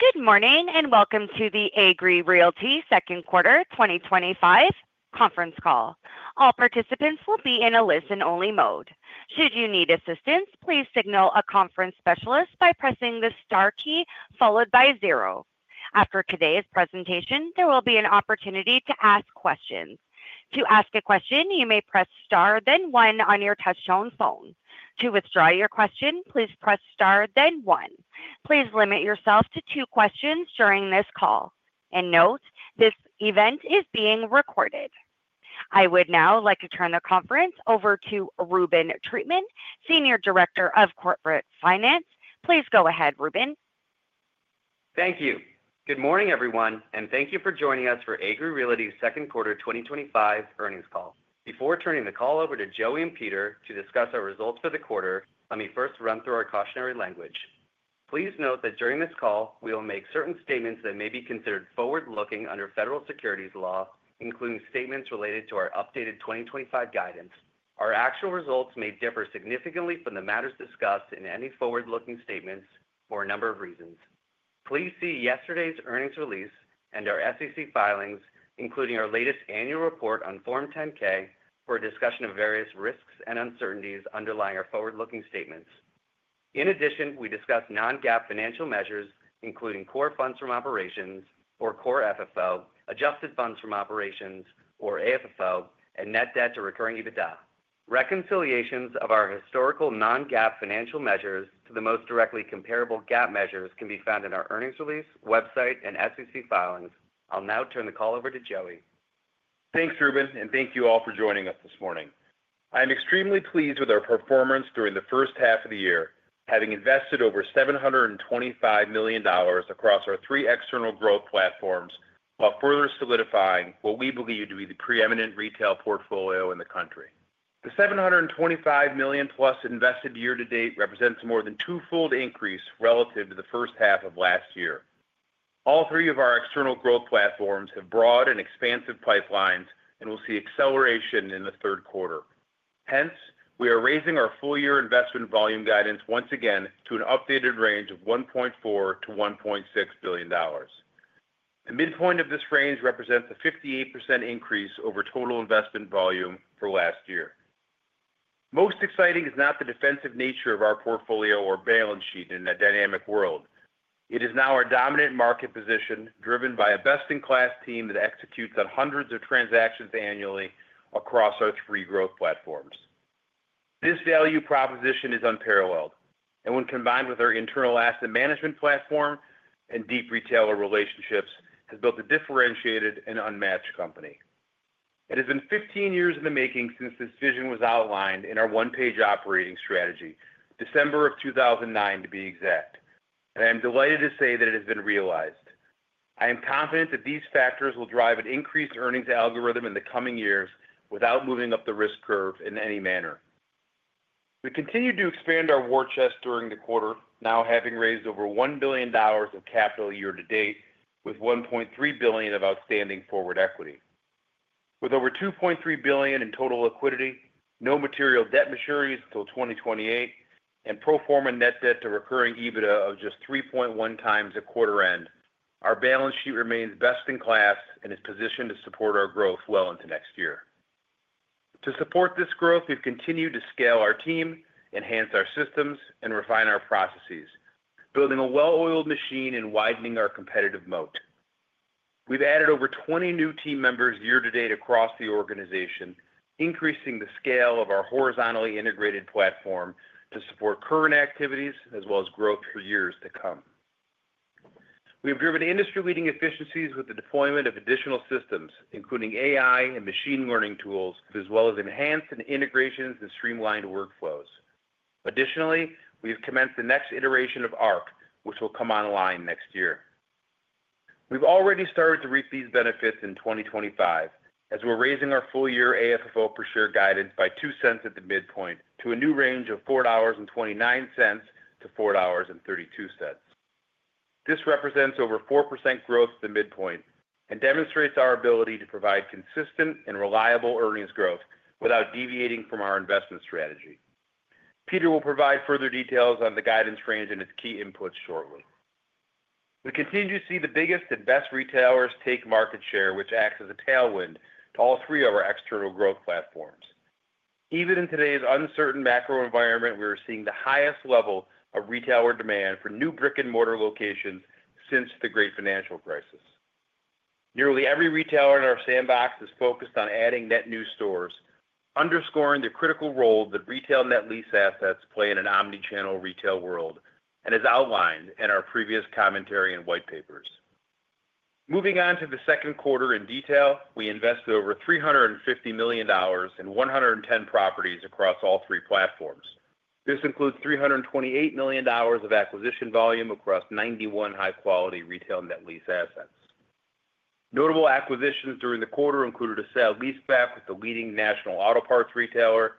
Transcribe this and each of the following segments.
Good morning, and welcome to the Agree Realty Second Quarter twenty twenty five Conference Call. All participants will be in a listen only mode. After today's presentation, there will be an opportunity to ask questions. Please limit yourself to two questions during this call. And note, this event is being recorded. I would now like to turn the conference over to Ruben Treatment, Senior Director of Corporate Finance. Please go ahead, Ruben. Thank you. Good morning, everyone, and thank you for joining us for Agree Realty's second quarter twenty twenty five earnings call. Before turning the call over to Joey and Peter to discuss our results for the quarter, let me first run through our cautionary language. Please note that during this call, we will make certain statements that may be considered forward looking under federal securities law, including statements related to our updated 2025 guidance. Our actual results may differ significantly from the matters discussed in any forward looking statements for a number of reasons. Please see yesterday's earnings release and our SEC filings, including our latest annual report on Form 10 ks for a discussion of various risks and uncertainties underlying our forward looking statements. In addition, we discuss non GAAP financial measures, including core funds from operations or core FFO, adjusted funds from operations or AFFO and net debt to recurring EBITDA. Reconciliations of our historical non GAAP financial measures the most directly comparable GAAP measures can be found in our earnings release, website and SEC filings. I'll now turn the call over to Joey. Thanks, Ruben, and thank you all for joining us this morning. I am extremely pleased with our performance during the first half of the year, having invested over $725,000,000 across our three external growth platforms, while further solidifying what we believe to be the preeminent retail portfolio in the country. The $725,000,000 plus invested year to date represents more than twofold increase relative to the first half of last year. All three of our external growth platforms have broad and expansive pipelines and will see acceleration in the third quarter. Hence, we are raising our full year investment volume guidance once again to an updated range of 1,400,000,000.0 to $1,600,000,000 The midpoint of this range represents a 58% increase over total investment volume for last year. Most exciting is not the defensive nature of our portfolio or balance sheet in a dynamic world. It is now our dominant market position driven by a best in class team that executes on hundreds of transactions annually across our three growth platforms. This value proposition is unparalleled and when combined with our internal asset management platform and deep retailer relationships has built a differentiated and unmatched company. It has been fifteen years in the making since this vision was outlined in our one page operating strategy, December 2009 to be exact, and I'm delighted to say that it has been realized. I am confident that these factors will drive an increased earnings algorithm in the coming years without moving up the risk curve in any manner. We continue to expand our war chest during the quarter, now having raised over $1,000,000,000 of capital year to date with $1,300,000,000 of outstanding forward equity. With over $2,300,000,000 in total liquidity, no material debt maturities until 2028 and pro form a net debt to recurring EBITDA of just 3.1 times at quarter end, our balance sheet remains best in class and is positioned to support our growth well into next year. To support this growth, we've continued to scale our team, enhance our systems, and refine our processes, building a well oiled machine and widening our competitive moat. We've added over 20 new team members year to date across the organization, increasing the scale of our horizontally integrated platform to support current activities as well as growth for years to come. We have driven industry leading efficiencies with the deployment of additional systems, including AI and machine learning tools, as well as enhanced integrations and streamlined workflows. Additionally, we have commenced the next iteration of ARC, which will come online next year. We've already started to reap these benefits in 2025 as we're raising our full year AFFO per share guidance by 2¢ at the midpoint to a new range of $4.29 to $4.32. This represents over 4% growth at the midpoint and demonstrates our ability to provide consistent and reliable earnings growth without deviating from our investment strategy. Peter will provide further details on the guidance range and its key inputs shortly. We continue to see the biggest and best retailers take market share, which acts as a tailwind to all three of our external growth platforms. Even in today's uncertain macro environment, we are seeing the highest level of retailer demand for new brick and mortar locations since the great financial crisis. Nearly every retailer in our sandbox is focused on adding net new stores, underscoring the critical role that retail net lease assets play in an omnichannel retail world and is outlined in our previous commentary and white papers. Moving on to the second quarter in detail, we invested over $350,000,000 in 110 properties across all three platforms. This includes $328,000,000 of acquisition volume across 91 high quality retail net lease assets. Notable acquisitions during the quarter included a sale leaseback with the leading national auto parts retailer,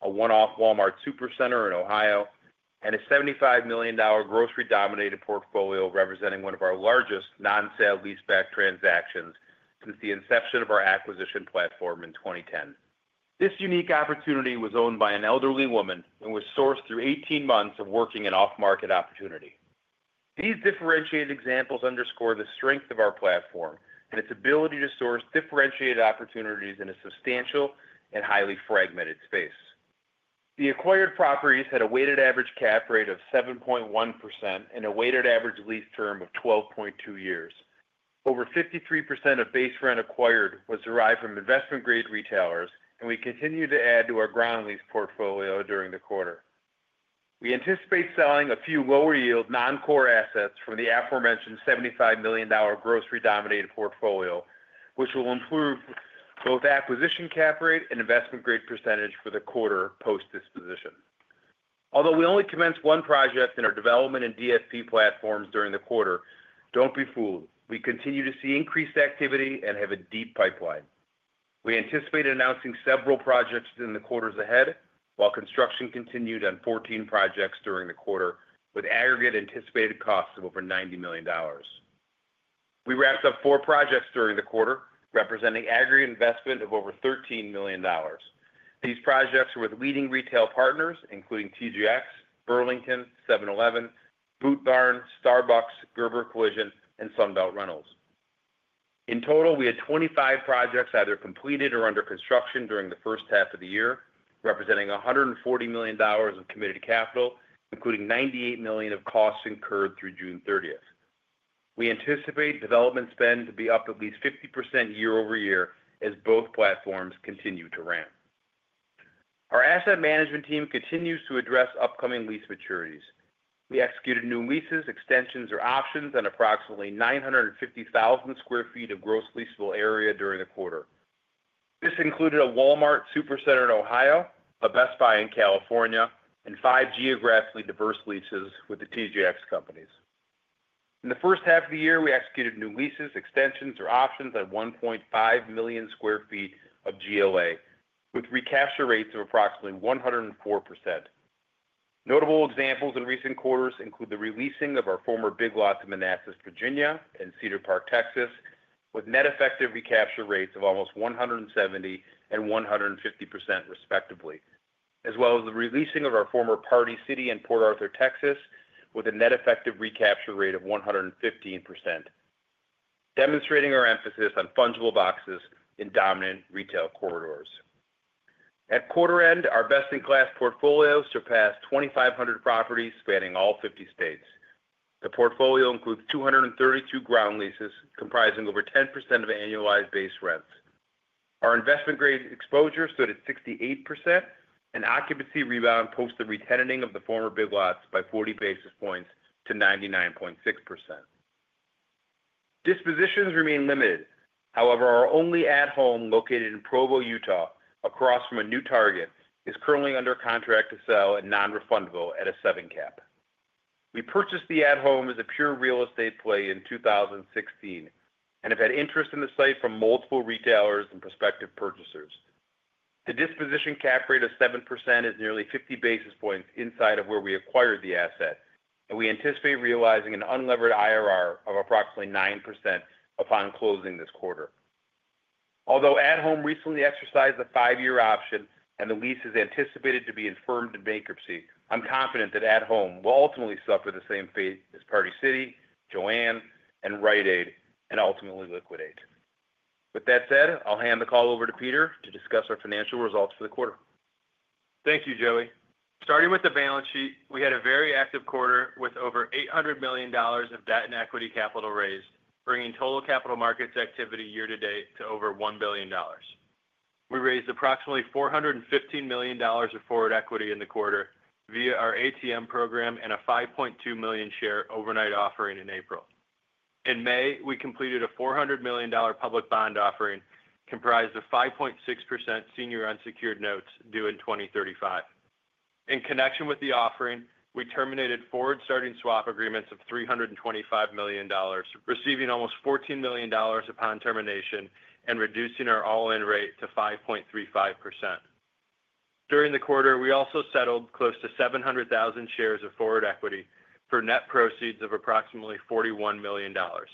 a one off Walmart Supercenter in Ohio and a $75,000,000 grocery dominated portfolio representing one of our largest non sale leaseback transactions since the inception of our acquisition platform in 2010. This unique opportunity was owned by an elderly woman and was sourced through eighteen months of working in off market opportunity. These differentiated examples underscore the strength of our platform and its ability to source differentiated opportunities in a substantial and highly fragmented space. The acquired properties had a weighted average cap rate of 7.1% and a weighted average lease term of twelve point two years. Over 53% of base rent acquired was derived from investment grade retailers and we continue to add to our ground lease portfolio during the quarter. We anticipate selling a few lower yield non core assets from the aforementioned 75,000,000 grocery dominated portfolio, which will improve both acquisition cap rate and investment grade percentage for the quarter post disposition. Although we only commenced one project in our development and DSP platforms during the quarter, don't be fooled. We continue to see increased activity and have a deep pipeline. We anticipate announcing several projects in the quarters ahead, while construction continued on 14 projects during the quarter with aggregate anticipated costs of over $90,000,000 We wrapped up four projects during the quarter, representing aggregate investment of over $13,000,000 These projects were with leading retail partners, including TGX, Burlington, seven Eleven, Boot Barn, Starbucks, Gerber Collision, and Sunbelt Rentals. In total, we had 25 projects either completed or under construction during the first half of the year, representing $140,000,000 of committed capital, including $98,000,000 of costs incurred through June 30. We anticipate development spend to be up at least 50% year over year as both platforms continue to ramp. Our asset management team continues to address upcoming lease maturities. We executed new leases, extensions or options on approximately 950,000 square feet of gross leasable area during the quarter. This included a Walmart Supercenter in Ohio, a Best Buy in California and five geographically diverse leases with the TJX companies. In the first half of the year, we executed new leases, extensions, or options at 1,500,000 square feet of GLA with recapture rates of approximately 104%. Notable examples in recent quarters include the releasing of our former Big Lots in Manassas, Virginia and Cedar Park, Texas, with net effective recapture rates of almost 170150% respectively, as well as the releasing of our former Party City in Port Arthur, Texas with a net effective recapture rate of 115%, demonstrating our emphasis on fungible boxes in dominant retail corridors. At quarter end, our best in class portfolio surpassed 2,500 properties spanning all 50 states. The portfolio includes two thirty two ground leases comprising over 10% of annualized base rents. Our investment grade exposure stood at 68% and occupancy rebound post the re tenanting of the former big lots by 40 basis points to 99.6%. Dispositions remain limited. However, our only at home located in Provo, Utah across from a new target is currently under contract to sell and non refundable at a seven cap. We purchased the at home as a pure real estate play in 2016 and have had interest in the site from multiple retailers and prospective purchasers. The disposition cap rate of 7% is nearly 50 basis points inside of where we acquired the asset and we anticipate realizing an unlevered IRR of approximately 9% upon closing this quarter. Although At Home recently exercised the five year option and the lease is anticipated to be in firm to bankruptcy, I'm confident that At Home will ultimately suffer the same fate as Party City, Joanne and Rite Aid and ultimately liquidate. With that said, I'll hand the call over to Peter to discuss our financial results for the quarter. Thank you, Joey. Starting with the balance sheet, we had a very active quarter with over $800,000,000 of equity capital raised, bringing total capital markets activity year to date to over $1,000,000,000 We raised approximately $415,000,000 of forward equity in the quarter via our ATM program and a 5,200,000.0 share overnight offering in April. In May, we completed a $400,000,000 public bond offering comprised of 5.6% senior unsecured notes due in 02/1935. In connection with the offering, we terminated forward starting swap agreements of $325,000,000 receiving almost $14,000,000 upon termination and reducing our all in rate to 5.35%. During the quarter, we also settled close to 700,000 shares of forward equity for net proceeds of approximately $41,000,000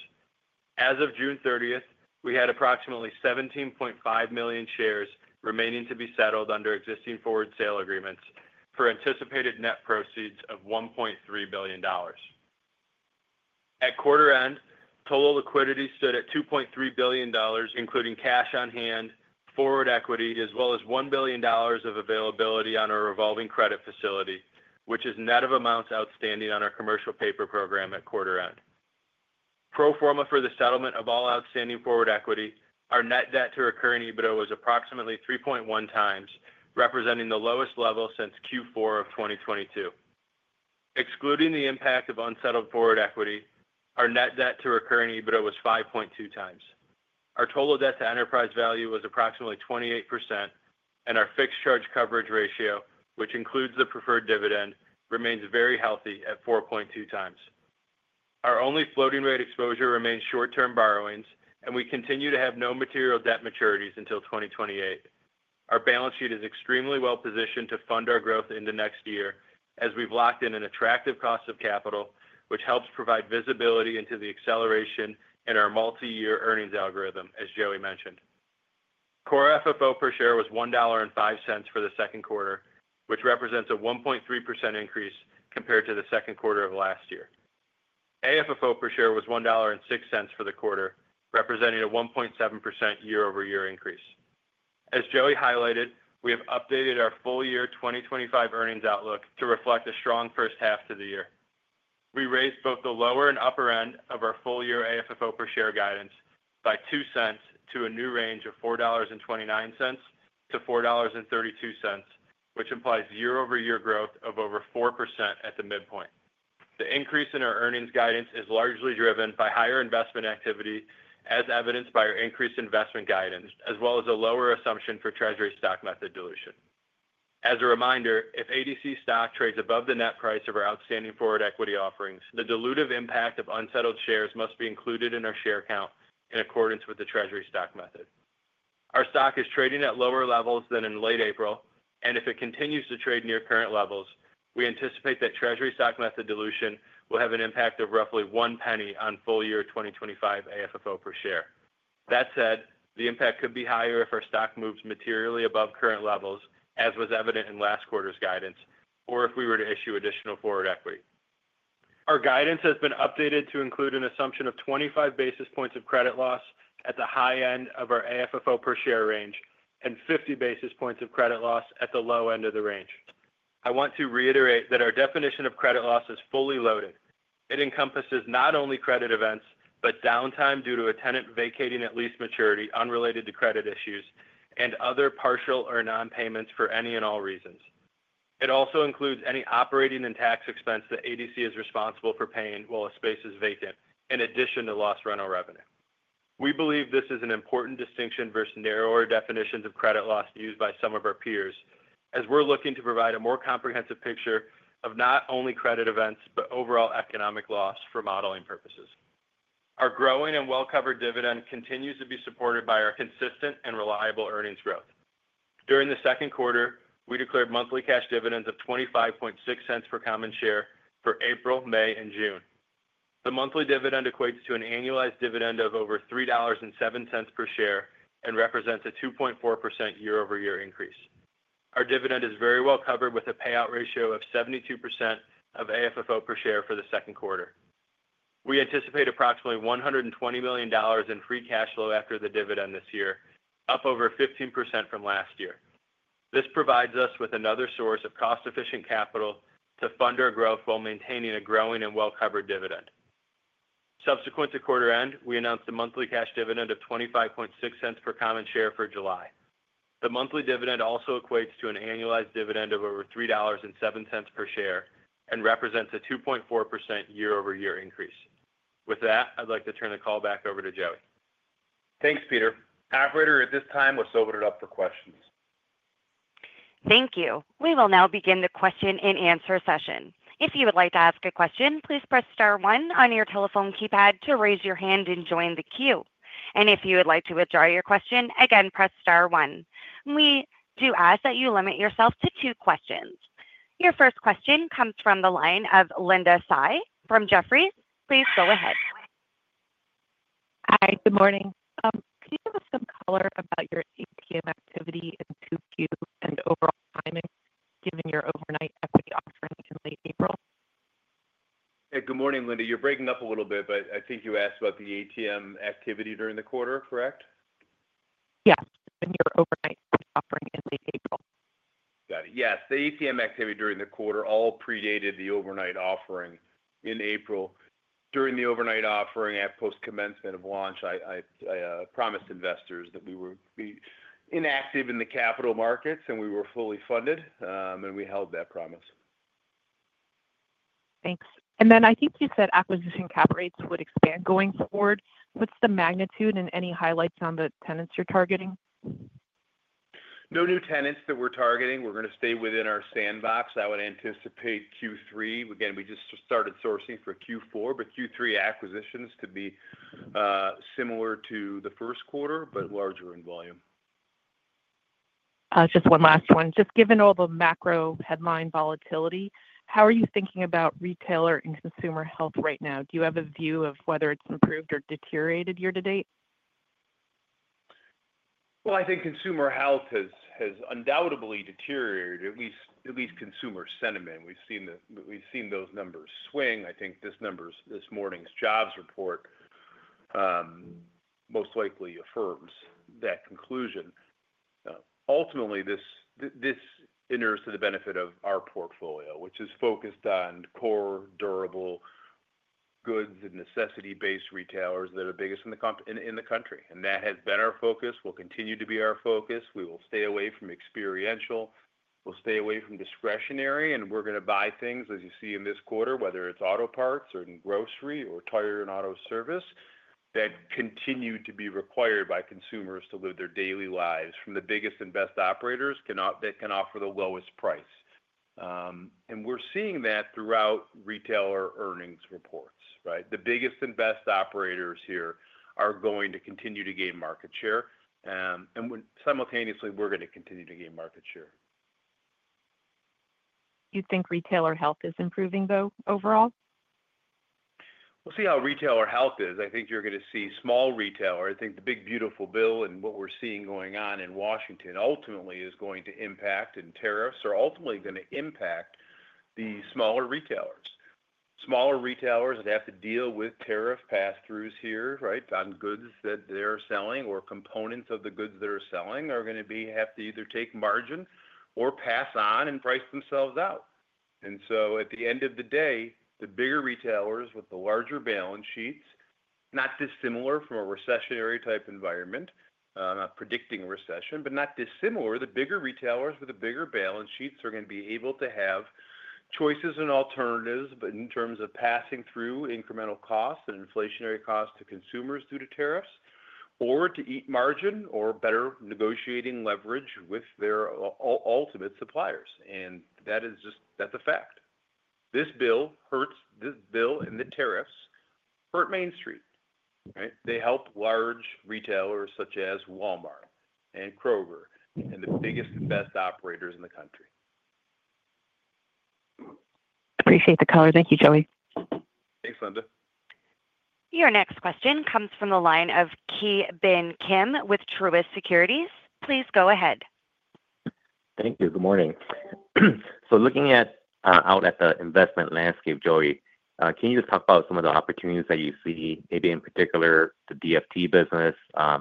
As of June 30, we had approximately 17,500,000.0 shares remaining to be settled under existing forward sale agreements for anticipated net proceeds of $1,300,000,000 At quarter end, total liquidity stood at $2,300,000,000 including cash on hand, forward equity as well as $1,000,000,000 of availability on our revolving credit facility, which is net of amounts outstanding on our commercial paper program at quarter end. Pro form a for the settlement of all outstanding forward equity, our net debt to recurring EBITDA was approximately 3.1 times, representing the lowest level since 2022. Excluding the impact of unsettled forward equity, our net debt to recurring EBITDA was 5.2 times. Our total debt to enterprise value was approximately 28% and our fixed charge coverage ratio, which includes the preferred dividend, remains very healthy at 4.2 times. Our only floating rate exposure remains short term borrowings and we continue to have no material debt maturities until 2028. Our balance sheet is extremely well positioned to fund our growth in the next year as we've locked in an attractive cost of capital, which helps provide visibility into the acceleration in our multi year earnings algorithm, as Joey mentioned. Core FFO per share was $1.05 for the second quarter, which represents a 1.3% increase compared to the second quarter of last year. AFFO per share was $1.06 for the quarter, representing a 1.7% year over year increase. As Joey highlighted, we have updated our full year 2025 earnings outlook to reflect a strong first half to the year. We raised both the lower and upper end of our full year AFFO per share guidance by $02 to a new range of $4.29 to $4.32 which implies year over year growth of over 4% at the midpoint. The increase in our earnings guidance is largely driven by higher investment activity as evidenced by our increased investment guidance as well as a lower assumption for treasury stock method dilution. As a reminder, if ADC stock trades above the net price of our outstanding forward equity offerings, the dilutive impact of unsettled shares must be included in our share count in accordance with the treasury stock method. Our stock is trading at lower levels than in late April and if it continues to trade near current levels, we anticipate that treasury stock method dilution will have an impact of roughly $01 on full year 2025 AFFO per share. That said, the impact could be higher if our stock moves materially above current levels as was evident in last quarter's guidance or if we were to issue additional forward equity. Our guidance has been updated to include an assumption of 25 basis points of credit loss at the high end of our AFFO per share range and 50 basis points of credit loss at the low end of the range. I want to reiterate that our definition of credit loss is fully loaded. It encompasses not only credit events, but downtime due to a tenant vacating at least maturity unrelated to credit issues and other partial or nonpayments for any and all reasons. It also includes any operating and tax expense that ADC is responsible for paying while a space is vacant in addition to lost rental revenue. We believe this is an important distinction versus narrower definitions of credit loss used by some of our peers as we're looking to provide a more comprehensive picture of not only credit events, but overall economic loss for modeling purposes. Our growing and well covered dividend continues to be supported by our consistent and reliable earnings growth. During the second quarter, we declared monthly cash dividends of $0.02 $56 per common share for April, May and June. The monthly dividend equates to an annualized dividend of over $3.07 per share and represents a 2.4 year over year increase. Our dividend is very well covered with a payout ratio of 72% of AFFO per share for the second quarter. We anticipate approximately $120,000,000 in free cash flow after the dividend this year, up over 15 percent from last year. This provides us with another source of cost efficient capital to fund our growth while maintaining a growing and well covered dividend. Subsequent to quarter end, we announced a monthly cash dividend of $0.02 $56 per common share for July. The monthly dividend also equates to an annualized dividend of over $3.07 per share and represents a 2.4% year over year increase. With that, I'd like to turn the call back over to Joey. Thanks, Peter. Operator, at this time, let's open it up for questions. Thank you. We will now begin the question and answer Your first question comes from the line of Linda Tsai from Jefferies. Please go ahead. Hi, good morning. Can you give us some color about your ATM activity in 2Q and overall timing given your overnight equity offering in late April? Hey. Good morning, Linda. You're breaking up a little bit, but I think you asked about the ATM activity during the quarter. Correct? Yes. And your overnight offering in late April. Got it. Yes. The ATM activity during the quarter all predated the overnight offering in April. During the overnight offering at post commencement of launch, I I I promised investors that we would be inactive in the capital markets and we were fully funded, and we held that promise. Thanks. And then I think you said acquisition cap rates would expand going forward. What's the magnitude and any highlights on the tenants you're targeting? No new tenants that we're targeting. We're going to stay within our sandbox. I would anticipate q three. Again, we just started sourcing for q four, but q three acquisitions could be, similar to the first quarter but larger in volume. Just one last one. Just given all the macro headline volatility, how are you thinking about retailer and consumer health right now? Do you have a view of whether it's improved or deteriorated year to date? Well, I think consumer health has has undoubtedly deteriorated, at least at least consumer sentiment. We've seen the we've seen those numbers swing. I think this number's this morning's jobs report most likely affirms that conclusion. Ultimately, this this enters to the benefit of our portfolio, which is focused on core durable goods and necessity based retailers that are biggest in the comp in in the country. And that has been our focus, will continue to be our focus. We will stay away from experiential. We'll stay away from discretionary, and we're gonna buy things as you see in this quarter, whether it's auto parts or in grocery or tire and auto service that continue to be required by consumers to live their daily lives from the biggest and best operators cannot they can offer the lowest price. And we're seeing that throughout retailer earnings reports. Right? The biggest and best operators here are going to continue to gain market share, and simultaneously, we're gonna continue to gain market share. You think retailer health is improving though overall? We'll see how retailer health is. I think you're gonna see small retailer. I think the big beautiful bill and what we're seeing going on in Washington ultimately is going to impact and tariffs are ultimately gonna impact the smaller retailers. Smaller retailers that have to deal with tariff pass throughs here, right, on goods that they're selling or components of the goods they're selling are gonna be have to either take margin or pass on and price themselves out. And so at the end of the day, the bigger retailers with the larger balance sheets, not dissimilar from a recessionary type environment, not predicting recession, but not dissimilar. The bigger retailers with the bigger balance sheets are gonna be able to have choices and alternatives, but in terms of passing through incremental costs and inflationary costs to consumers due to tariffs or to eat margin or better negotiating leverage with their ultimate suppliers. And that is just that's a fact. This bill hurts this bill and the tariffs hurt Main Street. Right? They help large retailers such as Walmart and Kroger and the biggest and best operators in the country. Appreciate the color. Thank you, Joey. Thanks, Linda. Your next question comes from the line of Ki Bin Kim with Truist Securities. Please go ahead. Thank you. Good morning. So looking at out at the investment landscape, Joey, can you just talk about some of the opportunities that you see, maybe in particular the DFT business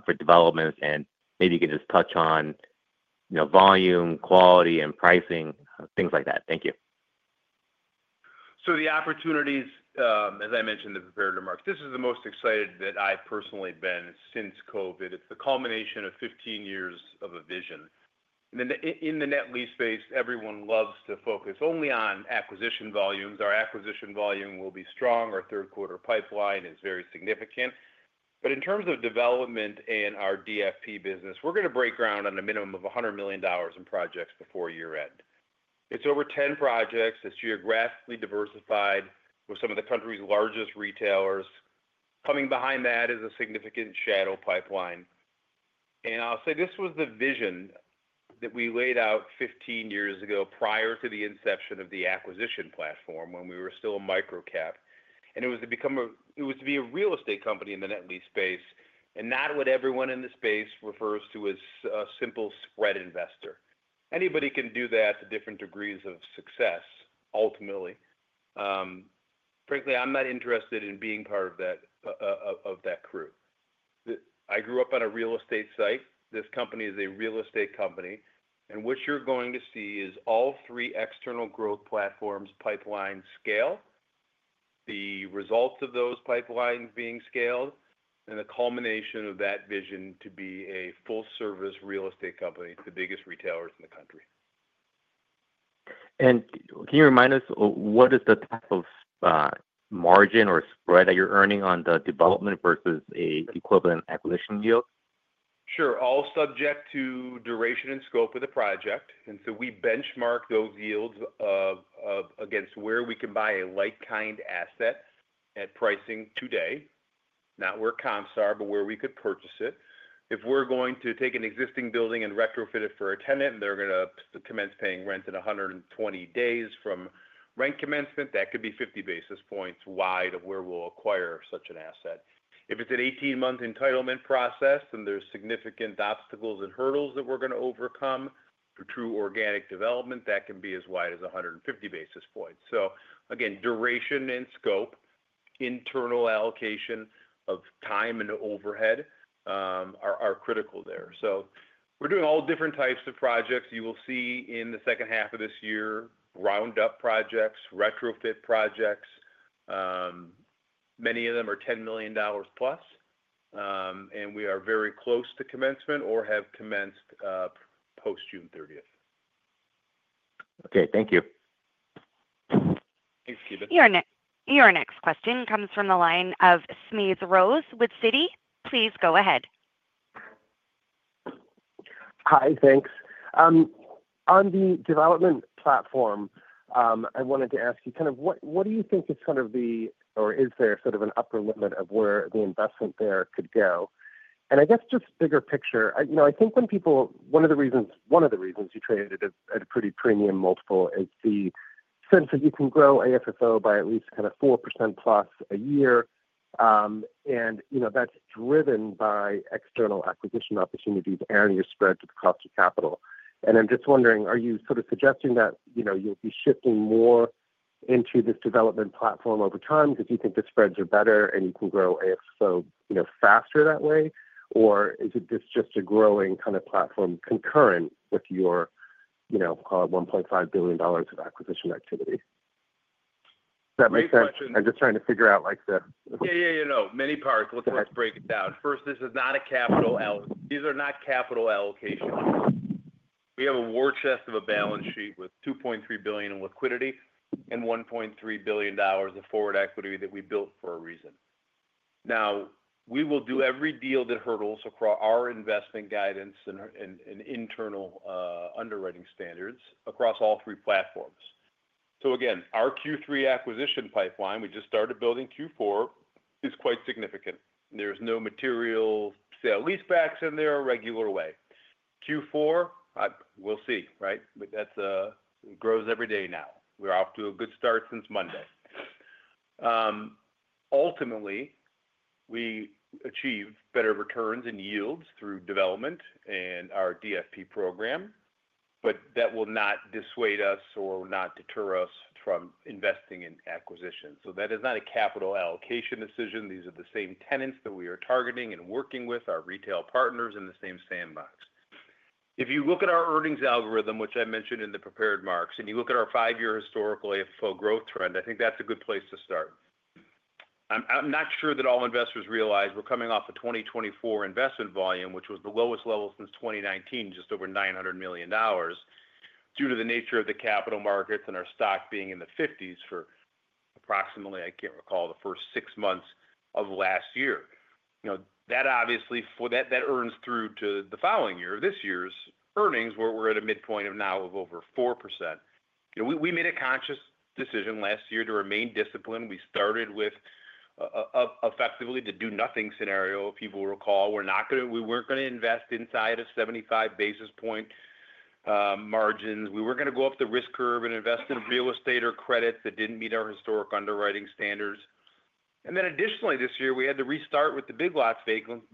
for developments? And maybe you can just touch you know, volume, quality, and pricing, things like that. Thank you. So the opportunities, as I mentioned in the prepared remarks, this is the most excited that I've personally been since COVID. It's the culmination of fifteen years of a vision. In the net lease space, everyone loves to focus only on acquisition volumes. Our acquisition volume will be strong. Our third quarter pipeline is very significant. But in terms of development in our DFP business, we're going to break ground on a minimum of $100,000,000 before year end. It's over 10 projects. It's geographically diversified with some of the country's largest retailers. Coming behind that is a significant shadow pipeline. And I'll say this was the vision that we laid out fifteen years ago prior to the inception of the acquisition platform when we were still a micro cap. And it was to become a it was to be a real estate company in the net lease space and not what everyone in the space refers to as a simple spread investor. Anybody can do that to different degrees of success ultimately. Frankly, I'm not interested in being part of that, of that crew. I grew up on a real estate site. This company is a real estate company. And what you're going to see is all three external growth platforms, pipeline, scale, the results of those pipelines being scaled, and the culmination of that vision to be a full service real estate company to the biggest retailers in the country. And can you remind us what is the type of margin or spread that you're earning on the development versus a equivalent acquisition yield? Sure. All subject to duration and scope of the project. And so we benchmark those yields of of against where we can buy a like kind asset at pricing today, not where comps are, but where we could purchase it. If we're going to take an existing building and retrofit it for a tenant, they're gonna commence paying rent in a hundred and twenty days from rent commencement, that could be 50 basis points wide of where we'll acquire such an asset. If it's an eighteen month entitlement process and there's significant obstacles and hurdles that we're gonna overcome for true organic development, that can be as wide as a 150 basis points. So, again, duration and scope, internal allocation of time and overhead, are are critical there. So we're doing all different types of projects. You will see in the second half of this year roundup projects, retrofit projects. Many of them are $10,000,000 plus, and we are very close to commencement or have commenced post June 30. Okay. Thank you. Thanks, Ki Bin. Your next question comes from the line of Smedes Rose with Citi. Please go ahead. Hi, thanks. On the development platform, I wanted to ask you kind of what do you think is kind of the or is there sort of an upper limit of where the investment there could go? And I guess just bigger picture, I think when people one of the reasons you traded at a pretty premium multiple is the sense that you can grow AFFO by at least kind of 4% plus a year, And that's driven by external acquisition opportunities and your spread to the cost of capital. And I'm just wondering, are you sort of suggesting that you'll be shifting more into this development platform over time because you think the spreads are better and you can grow AFFO, you know, faster that way? Or is it just just a growing kind of platform concurrent with your, you know, call it $1,500,000,000 of acquisition activity? That makes sense? I'm just trying to figure out like the Yeah. Yeah. Yeah. Many parts. Let's let's break it down. First, this is not a capital out these are not capital allocation. We have a war chest of a balance sheet with 2,300,000,000.0 in liquidity and $1,300,000,000 of forward equity that we built for a reason. Now we will do every deal that hurdles across our investment guidance and our in in internal, underwriting standards across all three platforms. So, again, our q three acquisition pipeline, we just started building q four, is quite significant. There's no material sale leasebacks in there a regular way. Q four, we'll see. Right? But that's, grows every day now. We're off to a good start since Monday. Ultimately, we achieve better returns and yields through development and our DFP program, but that will not dissuade us or not deter us from investing in acquisitions. So that is not a capital allocation decision. These are the same tenants that we are targeting and working with, our retail partners in the same sandbox. If you look at our earnings algorithm, which I mentioned in the prepared remarks, and you look at our five year historical AFFO growth trend, I think that's a good place to start. I'm I'm not sure that all investors realize we're coming off of 2024 investment volume, which was the lowest level since 2019, just over $900,000,000 due to the nature of the capital markets and our stock being in the fifties for approximately, I can't recall, the first six months of last year. You know, that obviously for that that earns through to the following year, this year's earnings, where we're at a midpoint of now of over 4%. You know, we we made a conscious decision last year to remain disciplined. We started with effectively to do nothing scenario. People will recall, we're not gonna we weren't gonna invest inside of 75 basis point, margins. We were gonna go up the risk curve and invest in real estate or credit that didn't meet our historic underwriting standards. And then additionally, this year, had to restart with the big lots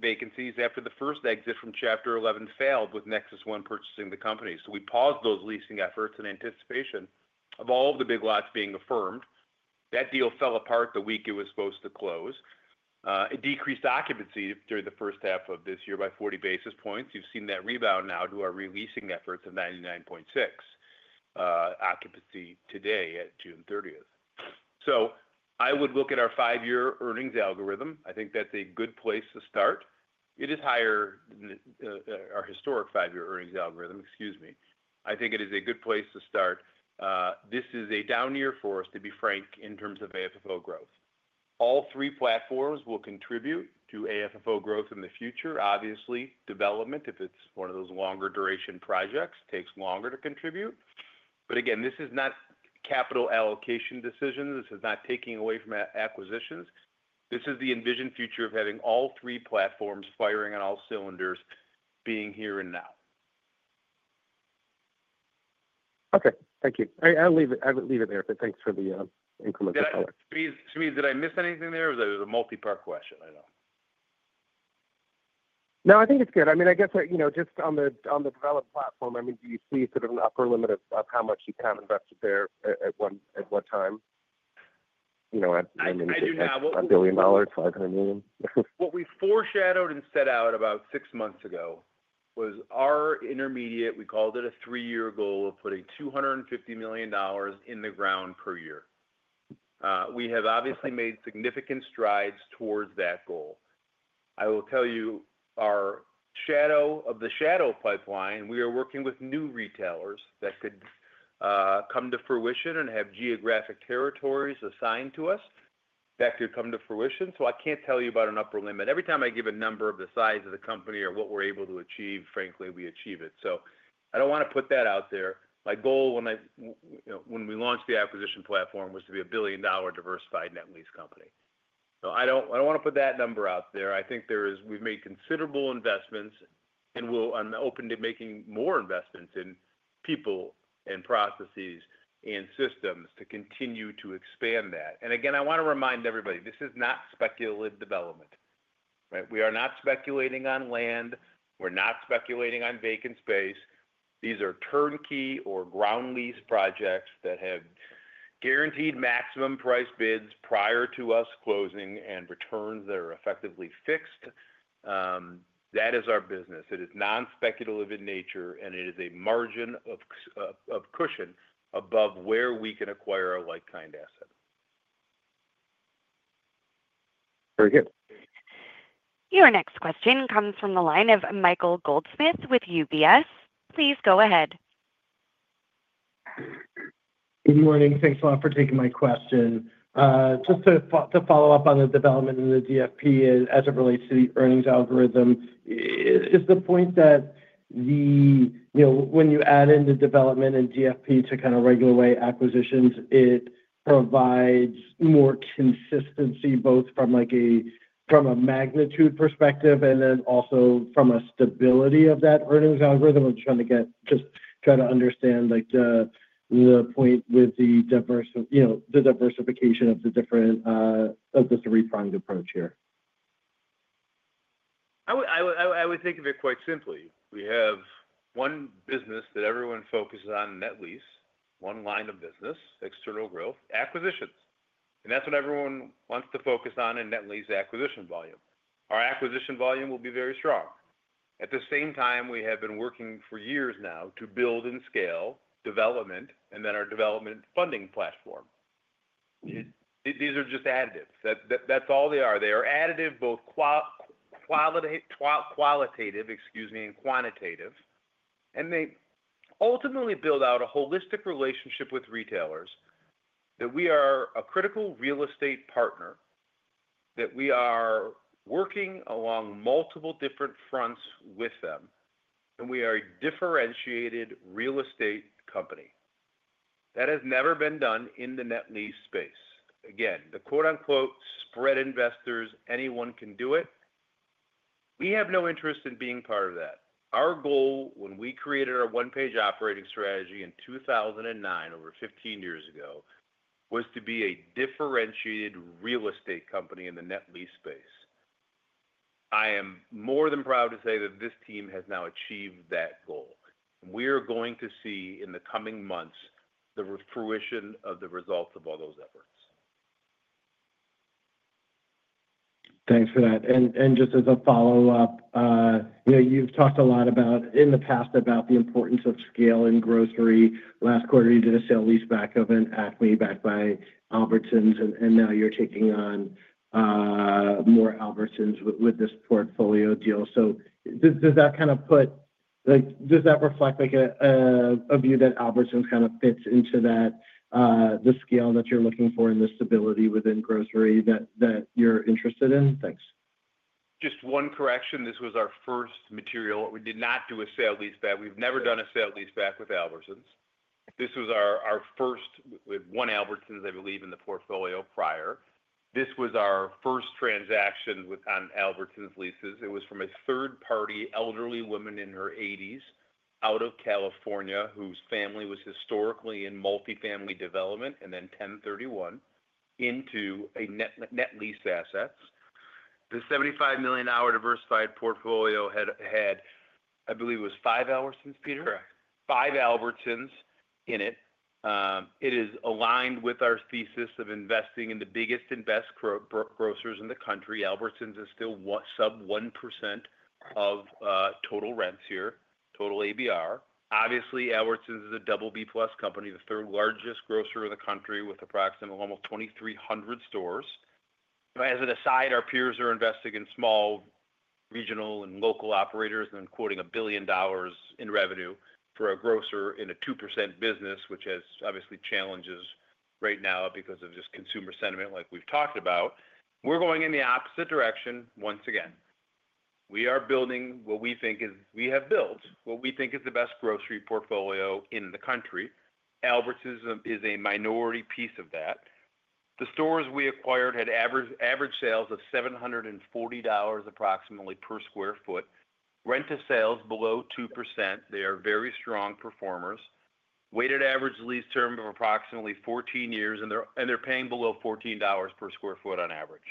vacancies after the first exit from chapter 11 failed with Nexus One purchasing the company. So we paused those leasing efforts in anticipation of all the big lots being affirmed. That deal fell apart the week it was supposed to close. It decreased occupancy during the first half of this year by 40 basis points. You've seen that rebound now to our re leasing efforts of 99.6% occupancy today at June 30. So I would look at our five year earnings algorithm. I think that's a good place to start. It is higher than our historic five year earnings algorithm. Excuse me. I think it is a good place to start. This is a down year for us, to be frank, in terms of AFFO growth. All three platforms will contribute to AFFO growth in the future. Obviously, development, if it's one of those longer duration projects, takes longer to contribute. But, again, this is not capital allocation decisions. This is not taking away from acquisitions. This is the envisioned future of having all three platforms firing on all cylinders being here and now. Okay. Thank you. I'll leave it I'll leave it there, but thanks for the incremental color. Sweets, did I miss anything there? Or that a multipart question? I don't know. No. I think it's good. I mean, I guess, like, you know, just on the on the developed platform, I mean, do you see sort of an upper limit of of how much you can invest there at one at what time? You know, at I mean, they have $1,000,000,000, 500,000,000. What we foreshadowed and set out about six months ago was our intermediate, we called it a three year goal of putting $250,000,000 in the ground per year. We have obviously made significant strides towards that goal. I will tell you our shadow of the shadow pipeline, we are working with new retailers that could come to fruition and have geographic territories assigned to us that could come to fruition. So I can't tell you about an upper limit. Every time I give a number of the size of the company or what we're able to achieve, frankly, we achieve it. So I don't wanna put that out there. My goal when I you know, when we launched the acquisition platform was to be a billion dollar diversified net lease company. So I don't I don't wanna put that number out there. I think there is we've made considerable investments and we'll I'm open to making more investments in people and processes and systems to continue to expand that. And, I wanna remind everybody, this is not speculative development. Right? We are not speculating on land. We're not speculating on vacant space. These are turnkey or ground lease projects that have guaranteed maximum price bids prior to us closing and returns that are effectively fixed. That is our business. Business. It is non speculative in nature and it is a margin of cushion above where we can acquire a like kind asset. Very good. Your next question comes from the line of Michael Goldsmith with UBS. Just to follow-up on the development in the as it relates to the earnings algorithm, just the point that the you know, when you add in the development in DFP to kind of regular way acquisitions, it provides more consistency both from, like, a from a magnitude perspective and then also from a stability of that earnings algorithm? I'm trying to get just trying to understand, like, the the point with the diverse you know, the diversification of the different, of the three pronged approach here. I would I would I would think of it quite simply. We have one business that everyone focuses on net lease, one line of business, external growth, acquisitions. And that's what everyone wants to focus on in net lease acquisition volume. Our acquisition volume will be very strong. At the same time, we have been working for years now to build and scale development and then our development funding platform. These are just added. That that that's all they are. They are additive both qualitative, excuse me, and quantitative. And they ultimately build out a holistic relationship with retailers that we are a critical real estate partner, that we are working along multiple different fronts with them, and we are a differentiated real estate company. That has never been done in the net lease space. Again, the quote unquote spread investors, anyone can do it. We have no interest in being part of that. Our goal when we created our one page operating strategy in 02/2009, over fifteen years ago, was to be a differentiated real estate company in the net lease space. I am more than proud to say that this team has now achieved that goal. We're going to see in the coming months the fruition of the results of all those efforts. Thanks for that. And and just as a follow-up, you know, you've talked a lot about in the past about the importance of scale in grocery. Last quarter, did a sale leaseback of an Acme backed by Albertsons, and and now you're taking on, more Albertsons with with this portfolio deal. So does does that kind of put like, does that reflect, like, a view that Albertsons kind of fits into that, the scale that you're looking for and the stability within grocery that that you're interested in? Thanks. Just one correction. This was our first material. We did not do a sale leaseback. We've never done a sale leaseback with Albertsons. This was our our first we have one Albertsons, I believe, in the portfolio prior. This was our first transaction with on Albertsons leases. It was from a third party elderly woman in her eighties out of California whose family was historically in multifamily development and then 10/31 into a net net lease assets. The seventy five million hour diversified portfolio had had, I believe, was five Albertsons, Peter? Correct. Five Albertsons in it. It is aligned with our thesis of investing in the biggest and best grocers in the country. Albertsons is still sub 1% of, total rents here, total ABR. Obviously, Albertsons is a double b plus company, the third largest grocer in the country with approximately almost 2,300 stores. As an aside, our peers are investing in small regional and local operators and quoting a billion dollars in revenue for a grocer in a 2% business, which has obviously challenges right now because of just consumer sentiment like we've talked about. We're going in the opposite direction once again. We are building what we think is we have built what we think is the best grocery portfolio in the country. Alberts is a minority piece of that. The stores we acquired had average average sales of $740 approximately per square foot. Rent to sales below 2%. They are very strong performers. Weighted average lease term of approximately fourteen years and they're paying below $14 per square foot on average.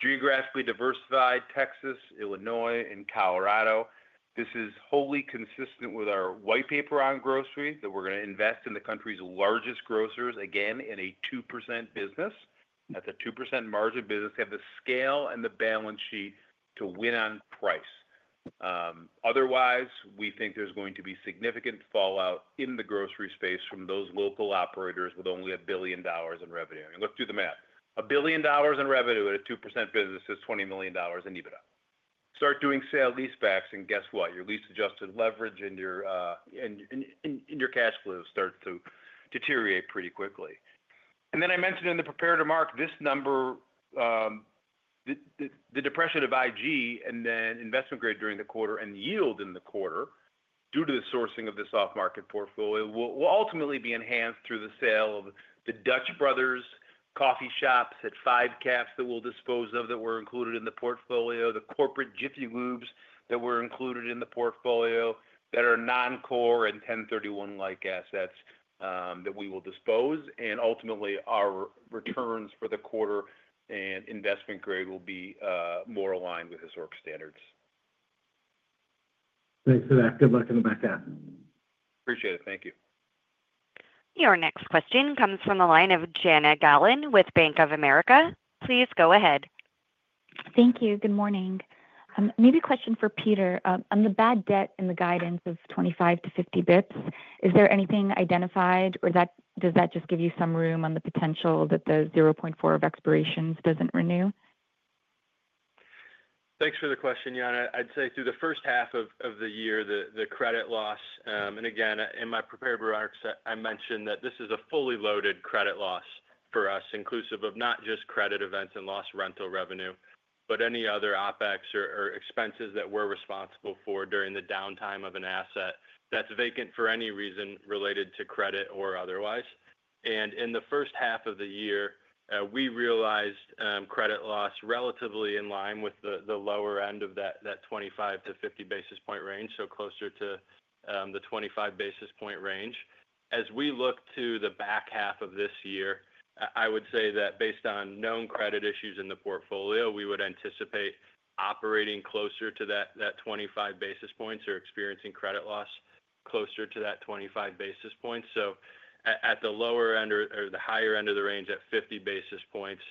Geographically diversified Texas, Illinois and Colorado. This is wholly consistent with our white paper on grocery that we're gonna invest in the country's largest grocers, again, in a 2% business. That's a 2% margin business, have the scale and the balance sheet to win on price. Otherwise, we think there's going to be significant fallout in the grocery space from those local operators with only a billion dollars in revenue. And let's do the math. A billion dollars in revenue at a 2% business is $20,000,000 in EBITDA. Start doing sale leasebacks and guess what? Your lease adjusted leverage and your, and and and and your cash flow start to deteriorate pretty quickly. And then I mentioned in the prepared remarks, this number, the depression of IG and then investment grade during the quarter and yield in the quarter due to the sourcing of this off market portfolio will ultimately be enhanced through the sale of the Dutch Brothers coffee shops at five caps that we'll dispose of that were included in the portfolio, the corporate Jiffy Lubs that were included in the portfolio that are non core and ten thirty one like assets, that we will dispose. And ultimately, our returns for the quarter and investment grade will be, more aligned with historic standards. Thanks for that. Good luck in the back half. Appreciate it. Thank you. Your next question comes from the line of Jenna Gallen with Bank of America. Please go ahead. Thank you. Good morning. Maybe a question for Peter. On the bad debt in the guidance of 25 to 50 bps, is there anything identified or that does that just give you some room on the potential that the 0.4 of expirations doesn't renew? Thanks for the question, Jana. I'd say through the first half of the year, credit loss, and again, in my prepared remarks, I mentioned that this is a fully loaded credit loss for us inclusive of not just credit events and lost rental revenue, but any other OpEx or or expenses that we're responsible for during the downtime of an asset that's vacant for any reason related to credit or otherwise. And in the first half of the year, we realized, credit loss relatively in line with the the lower end of that that 25 to 50 basis point range, so closer to the 25 basis point range. As we look to the back half of this year, I would say that based on known credit issues in the portfolio, we would anticipate operating closer to that 25 basis points or experiencing credit loss closer to that 25 basis points. So at the lower end or the higher end of the range at 50 basis points,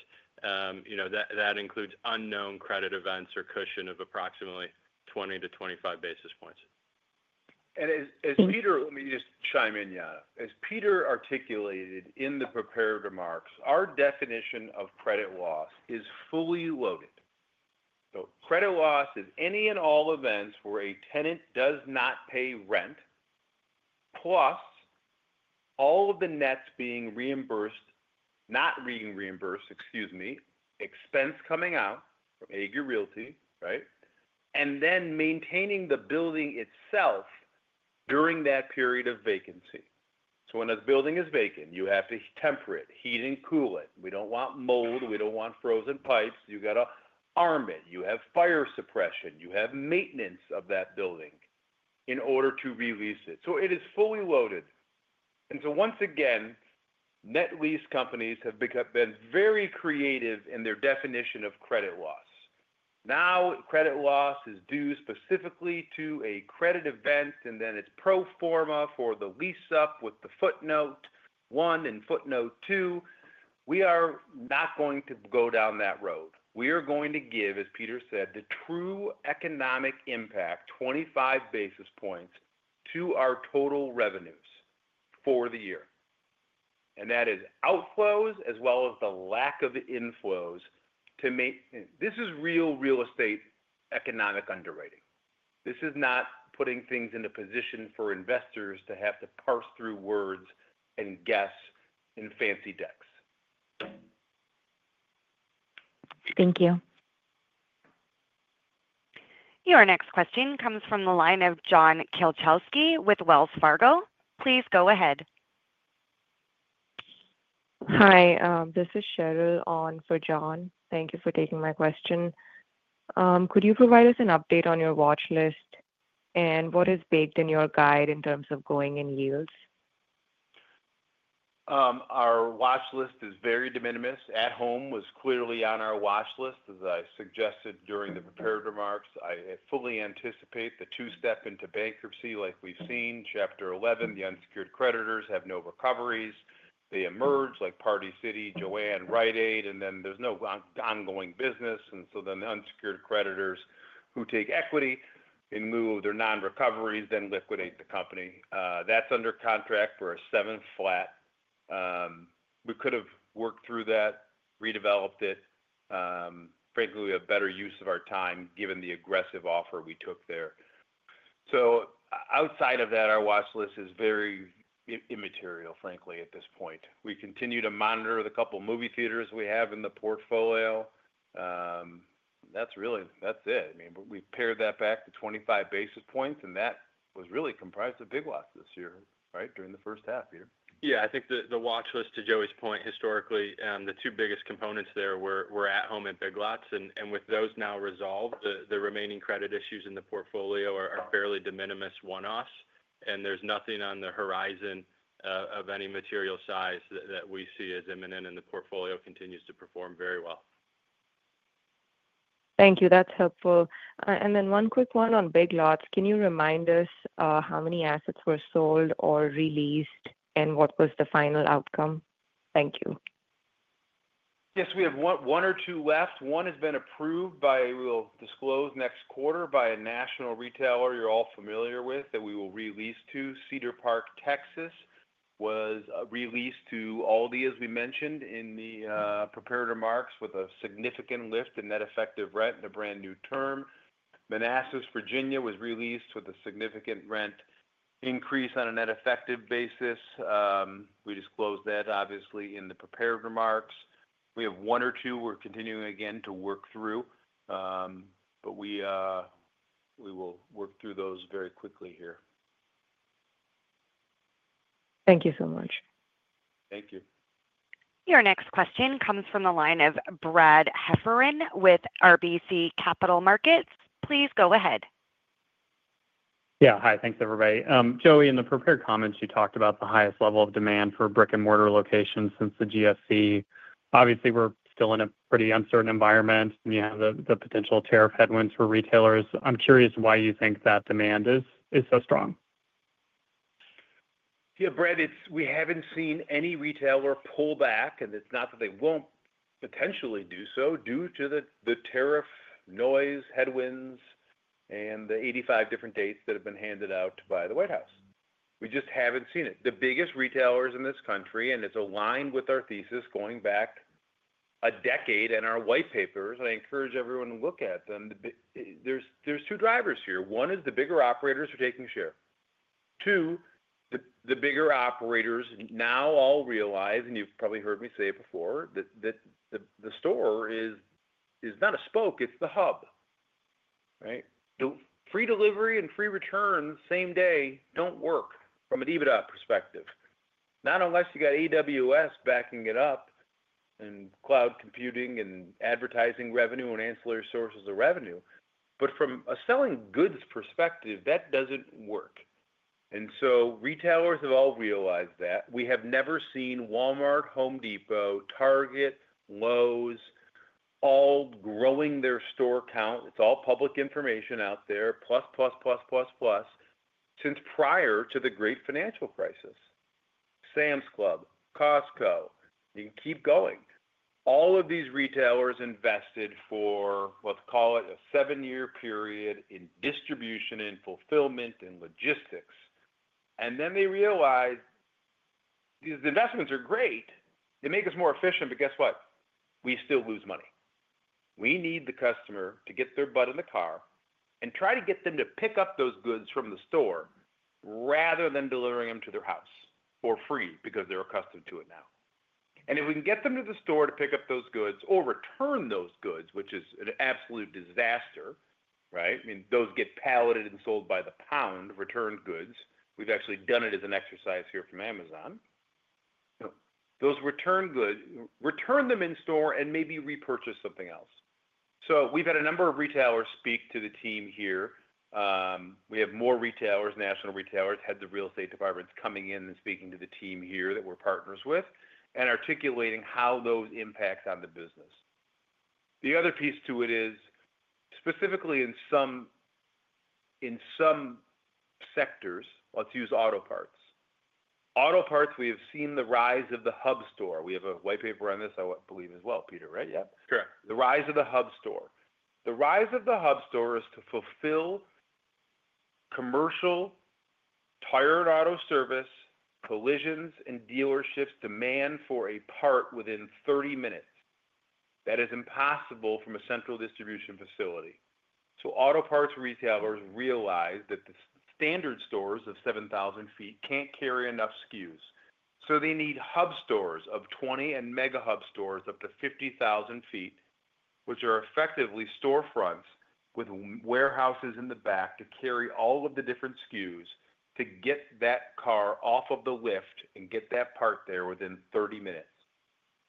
that includes unknown credit events or cushion of approximately 20 to 25 basis points. And as as Peter let me just chime in, yeah. As Peter articulated in the prepared remarks, our definition of credit loss is fully loaded. So credit loss is any and all events where a tenant does not pay rent plus all of the nets being reimbursed not being reimbursed, excuse me, expense coming out from Agri Realty, right, and then maintaining the building itself during that period of vacancy. So when a building is vacant, you have to temper it, heat and cool it. We don't want mold. We don't want frozen pipes. You gotta arm it. You have fire suppression. You have maintenance of that building in order to release it. So it is fully loaded. And so once again, net lease companies have become been very creative in their definition of credit loss. Now credit loss is due specifically to a credit event and then it's pro form a for the lease up with the footnote one and footnote two. We are not going to go down that road. We are going to give, as Peter said, the true economic impact, 25 basis points to our total revenues for the year. And that is outflows as well as the lack of inflows to make this is real real estate economic underwriting. This is not putting things into position for investors to have to parse through words and guess in fancy decks. Thank you. Your next question comes from the line of John Kielczewski with Wells Fargo. Please go ahead. Hi. This is Cheryl on for John. Thank you for taking my question. Could you provide us an update on your watch list and what is baked in your guide in terms of going in yields? Our watch list is very de minimis. At home was clearly on our watch list as I suggested during the prepared remarks. I fully anticipate the two step into bankruptcy like we've seen. Chapter 11, the unsecured creditors have no recoveries. They emerge like Party City, Joanne, Rite Aid, and then there's no ongoing business. And so then the unsecured creditors who take equity and move their nonrecoveries then liquidate the company. That's under contract for a seven flat. We could have worked through that, redeveloped it. Frankly, we have better use of our time given the aggressive offer we took there. So outside of that, our watch list is very immaterial, frankly, at this point. We continue to monitor the couple movie theaters we have in the portfolio. That's really that's it. I mean, we pared that back to 25 basis points, and that was really comprised of Big Lots this year, right, during the first half here. Yeah. I think the the watch list, to Joey's point, historically, the two biggest components there were were At Home and Big Lots. And and with those now resolved, the the remaining credit issues in the portfolio are are fairly de minimis one offs, and there's nothing on the horizon of any material size that we see as imminent and the portfolio continues to perform very well. Thank you. That's helpful. And then one quick one on Big Lots. Can you remind us how many assets were sold or released and what was the final outcome? Thank you. Yes. We have one one or two left. One has been approved by we will disclose next quarter by a national retailer you're all familiar with that we will release to. Cedar Park, Texas was released to Aldi, as we mentioned in the, prepared remarks with a significant lift in net effective rent in a brand new term. Manassas, Virginia was released with a significant rent increase on a net effective basis. We disclosed that obviously in the prepared remarks. We have one or two we're continuing again to work through, but we we will work through those very quickly here. Thank you so much. Thank you. Your next question comes from the line of Brad Heffern with RBC Capital Markets. Please go ahead. Yeah. Hi. Thanks, everybody. Joey, in the prepared comments, you talked about the highest level of demand for brick and mortar locations since the GSE. Obviously, we're still in a pretty uncertain environment. You have the potential tariff headwinds for retailers. I'm curious why you think that demand is so strong. Yeah. Brad, it's we haven't seen any retailer pull back, and it's not that they won't potentially do so due to the the tariff noise headwinds and the 85 different dates that have been handed out by the White House. We just haven't seen it. The biggest retailers in this country, and it's aligned with our thesis going back a decade in our white papers. I encourage everyone to look at them. There's there's two drivers here. One is the bigger operators are taking share. Two, the the bigger operators now all realize, and you've probably heard me say it before, that that the the store is is not a spoke, it's the hub. Right? The free delivery and free return same day don't work from an EBITDA perspective. Not unless you got AWS backing it up and cloud computing and advertising revenue and ancillary sources of revenue. But from a selling goods perspective, that doesn't work. And so retailers have all realized that. We have never seen Walmart, Home Depot, Target, Lowe's all growing their store count. It's all public information out there plus plus plus plus plus since prior to the great financial crisis. Sam's Club, Costco, you can keep going. All of these retailers invested for, let's call it, a seven year period in distribution and fulfillment and logistics. And then they realized these investments are great. They make us more efficient, but guess what? We still lose money. We need the customer to get their butt in the car and try to get them to pick up those goods from the store rather than delivering them to their house for free because they're accustomed to it now. And if we can get them to the store to pick up those goods or return those goods, which is an absolute disaster. Right? I mean, those get paletted and sold by the pound returned goods. We've actually done it as an exercise here from Amazon. Those returned good return them in store and maybe repurchase something else. So we've had a number of retailers speak to the team here. We have more retailers, national retailers, heads of real estate departments coming in and speaking to the team here that we're partners with and articulating how those impacts on the business. The other piece to it is, specifically in some in some sectors, let's use auto parts. Auto parts, we have seen the rise of the hub store. We have a white paper on this, I believe, well, Peter. Right? Yeah. Correct. The rise of the hub store. The rise of the hub store is to fulfill commercial, tired auto service, collisions, and dealerships demand for a part within thirty minutes. That is impossible from a central distribution facility. So auto parts retailers realize that the standard stores of 7,000 feet can't carry enough SKUs. So they need hub stores of 20 and mega hub stores up to 50,000 feet, which are effectively storefronts with warehouses in the back to carry all of the different SKUs to get that car off of the lift and get that part there within thirty minutes.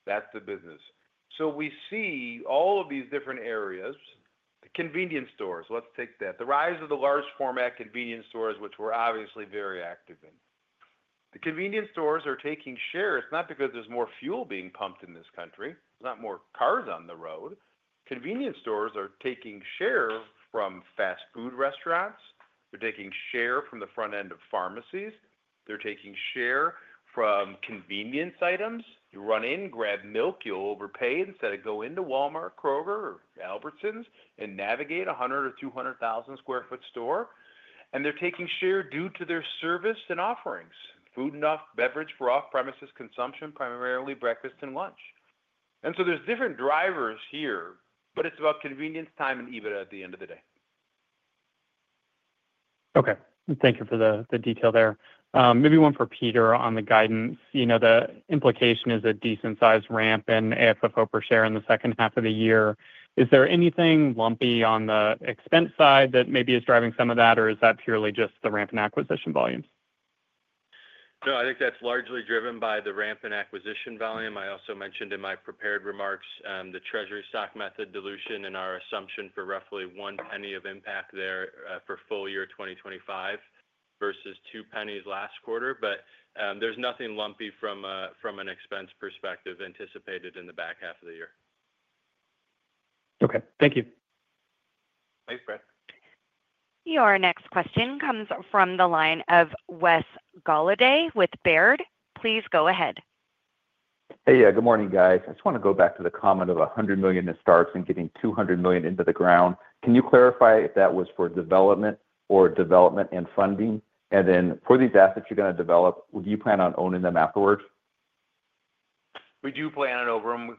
That's the business. So we see all of these different areas. The convenience stores, let's take that. The rise of the large format convenience stores, which we're obviously very active in. In. The convenience stores are taking shares not because there's more fuel being pumped in this country. There's not more cars on the road. Convenience stores are taking share from fast food restaurants. They're taking share from the front end of pharmacies. They're taking share from convenience items. You run-in, grab milk, you'll overpay instead of go into Walmart, Kroger, Albertsons, and navigate a 100 or 200,000 square foot store. And they're taking share due to their service and offerings, food enough, beverage for off premises consumption, primarily breakfast and lunch. And so there's different drivers here, but it's about convenience, time, and EBITDA at the end of the day. Okay. Thank you for the detail there. Maybe one for Peter on the guidance. You know, the implication is a decent sized ramp in AFFO per share in the second half of the year. Is there anything lumpy expense side that maybe is driving some of that? Or is that purely just the ramp in acquisition volume? No. Think that's largely driven by the ramp in acquisition volume. I also mentioned in my prepared remarks, the treasury stock method dilution and our assumption for roughly $01 of impact there, for full year 2025 versus $02 last quarter. But, there's nothing lumpy from an expense perspective anticipated in the back half of the year. Okay. Thank you. Thanks, Brett. Your next question comes from the line of Wes Golladay with Baird. Please go ahead. Hey, good morning guys. I just want to go back to the comment of $100,000,000 in starts and getting 200,000,000 into the ground. Can you clarify if that was for development or development and funding? And then for these assets you're gonna develop, would you plan on owning them afterwards? We do plan it over them.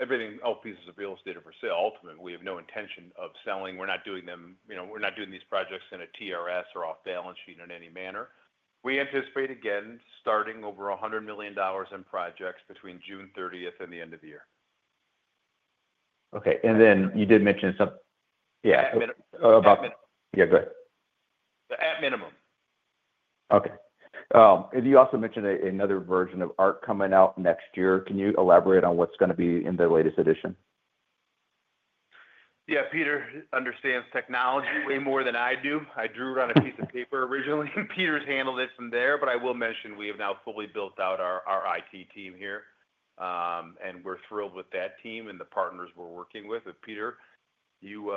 Everything all pieces of real estate are for sale. Ultimately, we have no intention of selling. We're not doing them you know, we're not doing these projects in a TRS or off balance sheet in any manner. We anticipate again starting over a $100,000,000 in projects between June 30 and the end of the year. Okay. And then you did mention some yeah. At min yeah. Go ahead. At minimum. Okay. And you also mentioned another version of ARC coming out next year. Can you elaborate on what's gonna be in the latest edition? Yeah. Peter understands technology way more than I do. I drew it on a piece of paper originally. Peter's handled it from there, but I will mention we have now fully built out our our IT team here, and we're thrilled with that team and the partners we're with. And, Peter, you,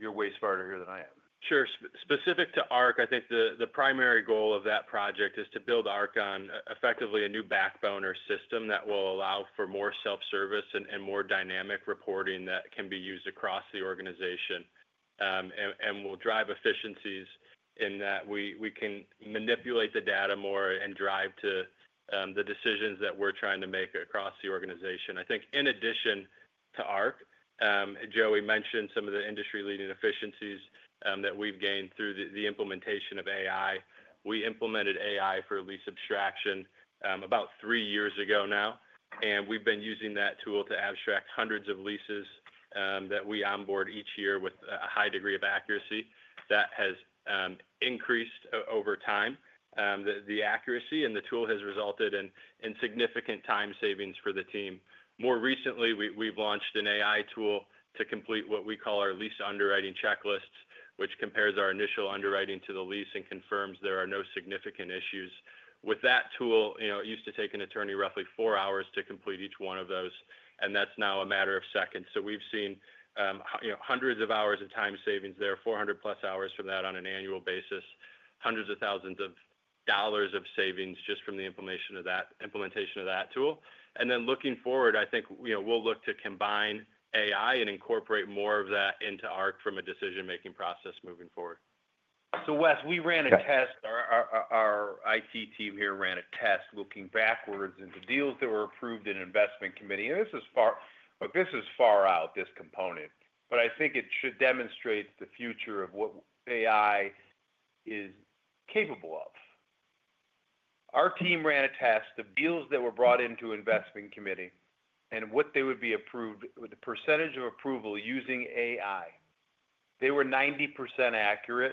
you're way smarter here than I am. Sure. Specific to ARC, I think the the primary goal of that project is to build ARC on effectively a new backbone or system that will allow for more self-service and and more dynamic reporting that can be used across the organization, and and will drive efficiencies in that. We we can manipulate the data more and drive to, the decisions that we're trying to make across the organization. I think in addition to ARC, Joey mentioned some of the industry leading efficiencies, that we've gained through the implementation of AI. We implemented AI for lease abstraction, about three years ago now, and we've been using that tool to abstract hundreds of leases that we onboard each year with a high degree of accuracy that has, increased over time. The the accuracy and the tool has resulted in in significant time savings for the team. More recently, we've launched an AI tool to complete what we call our lease underwriting checklist, which compares our initial underwriting to the lease and confirms there are no significant issues. With that tool, it used to take an attorney roughly four hours to complete each one of those and that's now a matter of seconds. So we've seen, you know, hundreds of hours of time savings there, four hundred plus hours from that on an annual basis, hundreds of thousands of dollars of savings just from the implementation of that implementation of that tool. And then looking forward, I think, you know, we'll look to combine AI and incorporate more of that into ARC from a decision making process moving forward. So, Wes, we ran a test. Our our our IT team here ran a test looking backwards into deals that were approved in investment committee. And this is far but this is far out, this component. But I think it should demonstrate the future of what AI is capable of. Our team ran a test of deals that were brought into investment committee and what they would be approved with the percentage of approval using AI. They were 90% accurate,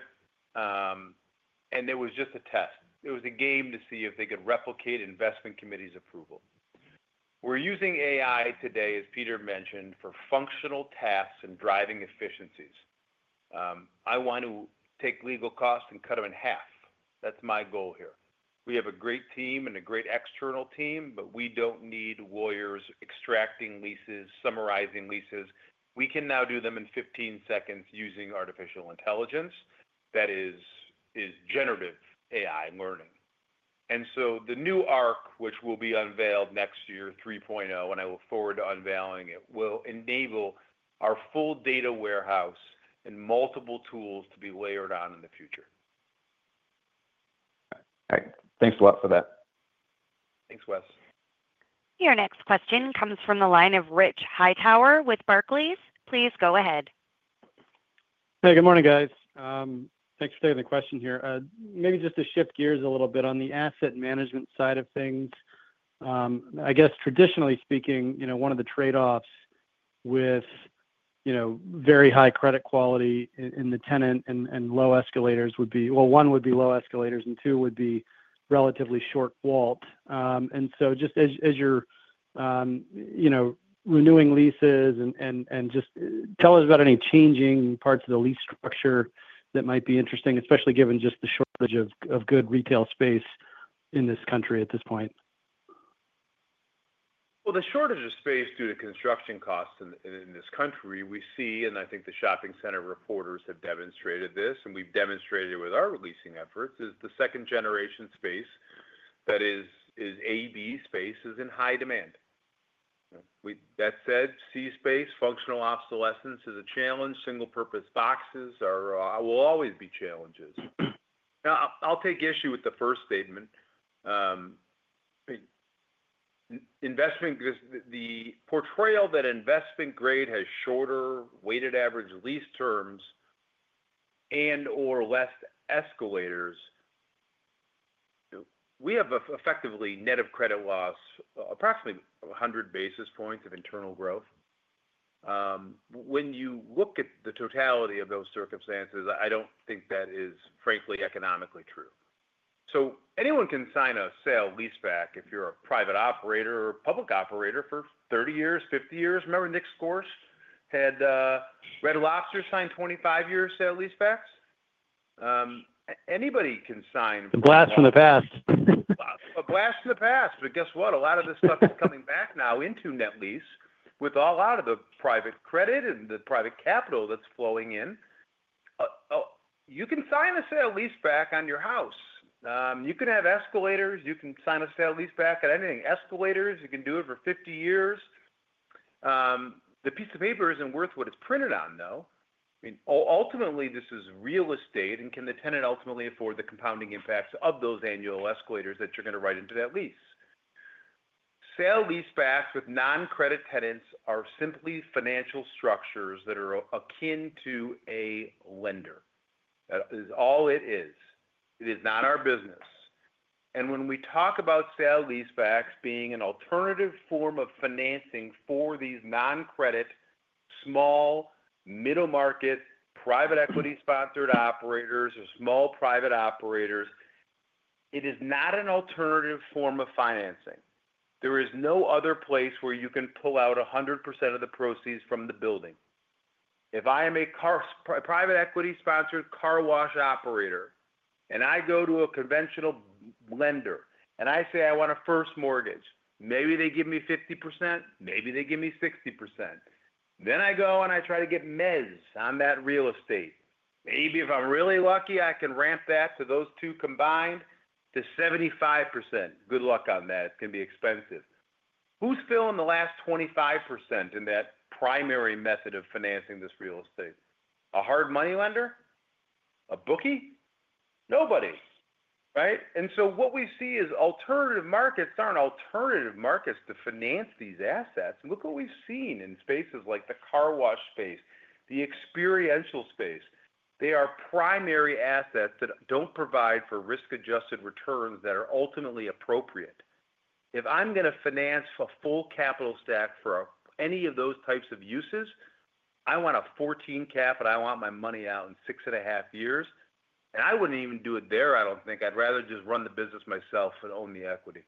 and it was just a test. It was a game to see if they could replicate investment committee's approval. We're using AI today, as Peter mentioned, for functional tasks and driving efficiencies. I want to take legal costs and cut them in half. That's my goal here. We have a great team and a great external team, but we don't need warriors extracting leases, summarizing leases. We can now do them in fifteen seconds using artificial intelligence that is is generative AI learning. And so the new arc, which will be unveiled next year, three point o, and I look forward to unveiling it, will enable our full data warehouse and multiple tools to be layered on in the future. Alright. Thanks a lot for that. Thanks Wes. Your next question comes from the line of Rich Hightower with Barclays. Please go ahead. Hey, good morning guys. Thanks for taking the question here. Maybe just to shift gears a little bit on the asset management side of things. I guess, traditionally speaking, you know, one of the trade offs with, you know, very high credit quality in the tenant and and low escalators would be well, one would be low escalators and two would be relatively short vault. And so just as as you're, you know, renewing leases and and and tell us about any changing parts of the lease structure that might be interesting, especially given just the shortage of of good retail space in this country at this point? Well, the shortage of space due to construction costs in in this country, we see, and I think the shopping center reporters have demonstrated this, and we've demonstrated with our leasing efforts, is the second generation space that is is a b space is in high demand. With that said, c space, functional obsolescence is a challenge. Single purpose boxes are will always be challenges. Now I'll take issue with the first statement. Investment because the portrayal that investment grade has shorter weighted average lease terms and or less escalators, we have effectively, net of credit loss, approximately a 100 basis points of internal growth. When you look at the totality of those circumstances, I don't think that is frankly economically true. So anyone can sign a sale leaseback if you're a private operator or public operator for thirty years, fifty years. Remember Nick Scores had Red Lobster signed twenty five years sale leasebacks? Anybody can sign A blast from the past. A blast from the past. But guess what? A lot of this stuff is coming back now into net lease with all out of the private credit and the private capital that's flowing in. You can sign a sale leaseback on your house. You can have escalators. You can sign a sale leaseback at anything. Escalators, you can do it for fifty years. The piece of paper isn't worth what it's printed on, though. Mean, ultimately, this is real estate, and can the tenant ultimately afford the compounding impacts of those annual escalators that you're gonna write into that lease? Sale leasebacks with noncredit tenants are simply financial structures that are akin to a lender. That is all it is. It is not our business. And when we talk about sale leasebacks being an alternative form of financing for these noncredit, small, middle market, private equity sponsored operators or small private operators. It is not an alternative form of financing. There is no other place where you can pull out a 100% of the proceeds from the building. If I am a car private equity sponsored car wash operator and I go to a conventional lender and I say I want a first mortgage, maybe they give me 50%, maybe they give me 60%. Then I go and I try to get mezz on that real estate. Maybe if I'm really lucky, can ramp that to those two combined to 75 percent. Good luck on that. It's gonna be expensive. Who's still in the last 25% in that primary method of financing this real estate? A hard money lender? A bookie? Nobody. Right? And so what we see is alternative markets aren't alternative markets to finance these assets. Look what we've seen in spaces like the car wash space, the experiential space. They are primary assets that don't provide for risk adjusted returns that are ultimately appropriate. If I'm gonna finance a full capital stack for any of those types of uses, I want a 14 cap, but I want my money out in six and a half years. And I wouldn't even do it there, don't think. I'd rather just run the business myself and own the equity.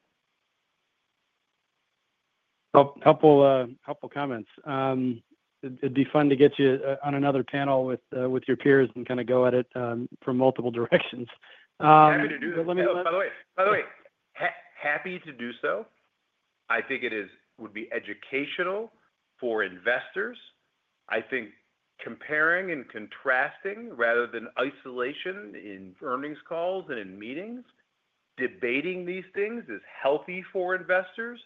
Oh, helpful helpful comments. It'd fun to get you on another panel with, with your peers and kinda go at it, from multiple directions. Happy to do that. Let me By the way by the way, happy to do so. I think it is would be educational for investors. I think comparing and contrasting rather than isolation in earnings calls and in meetings, debating these things is healthy for investors.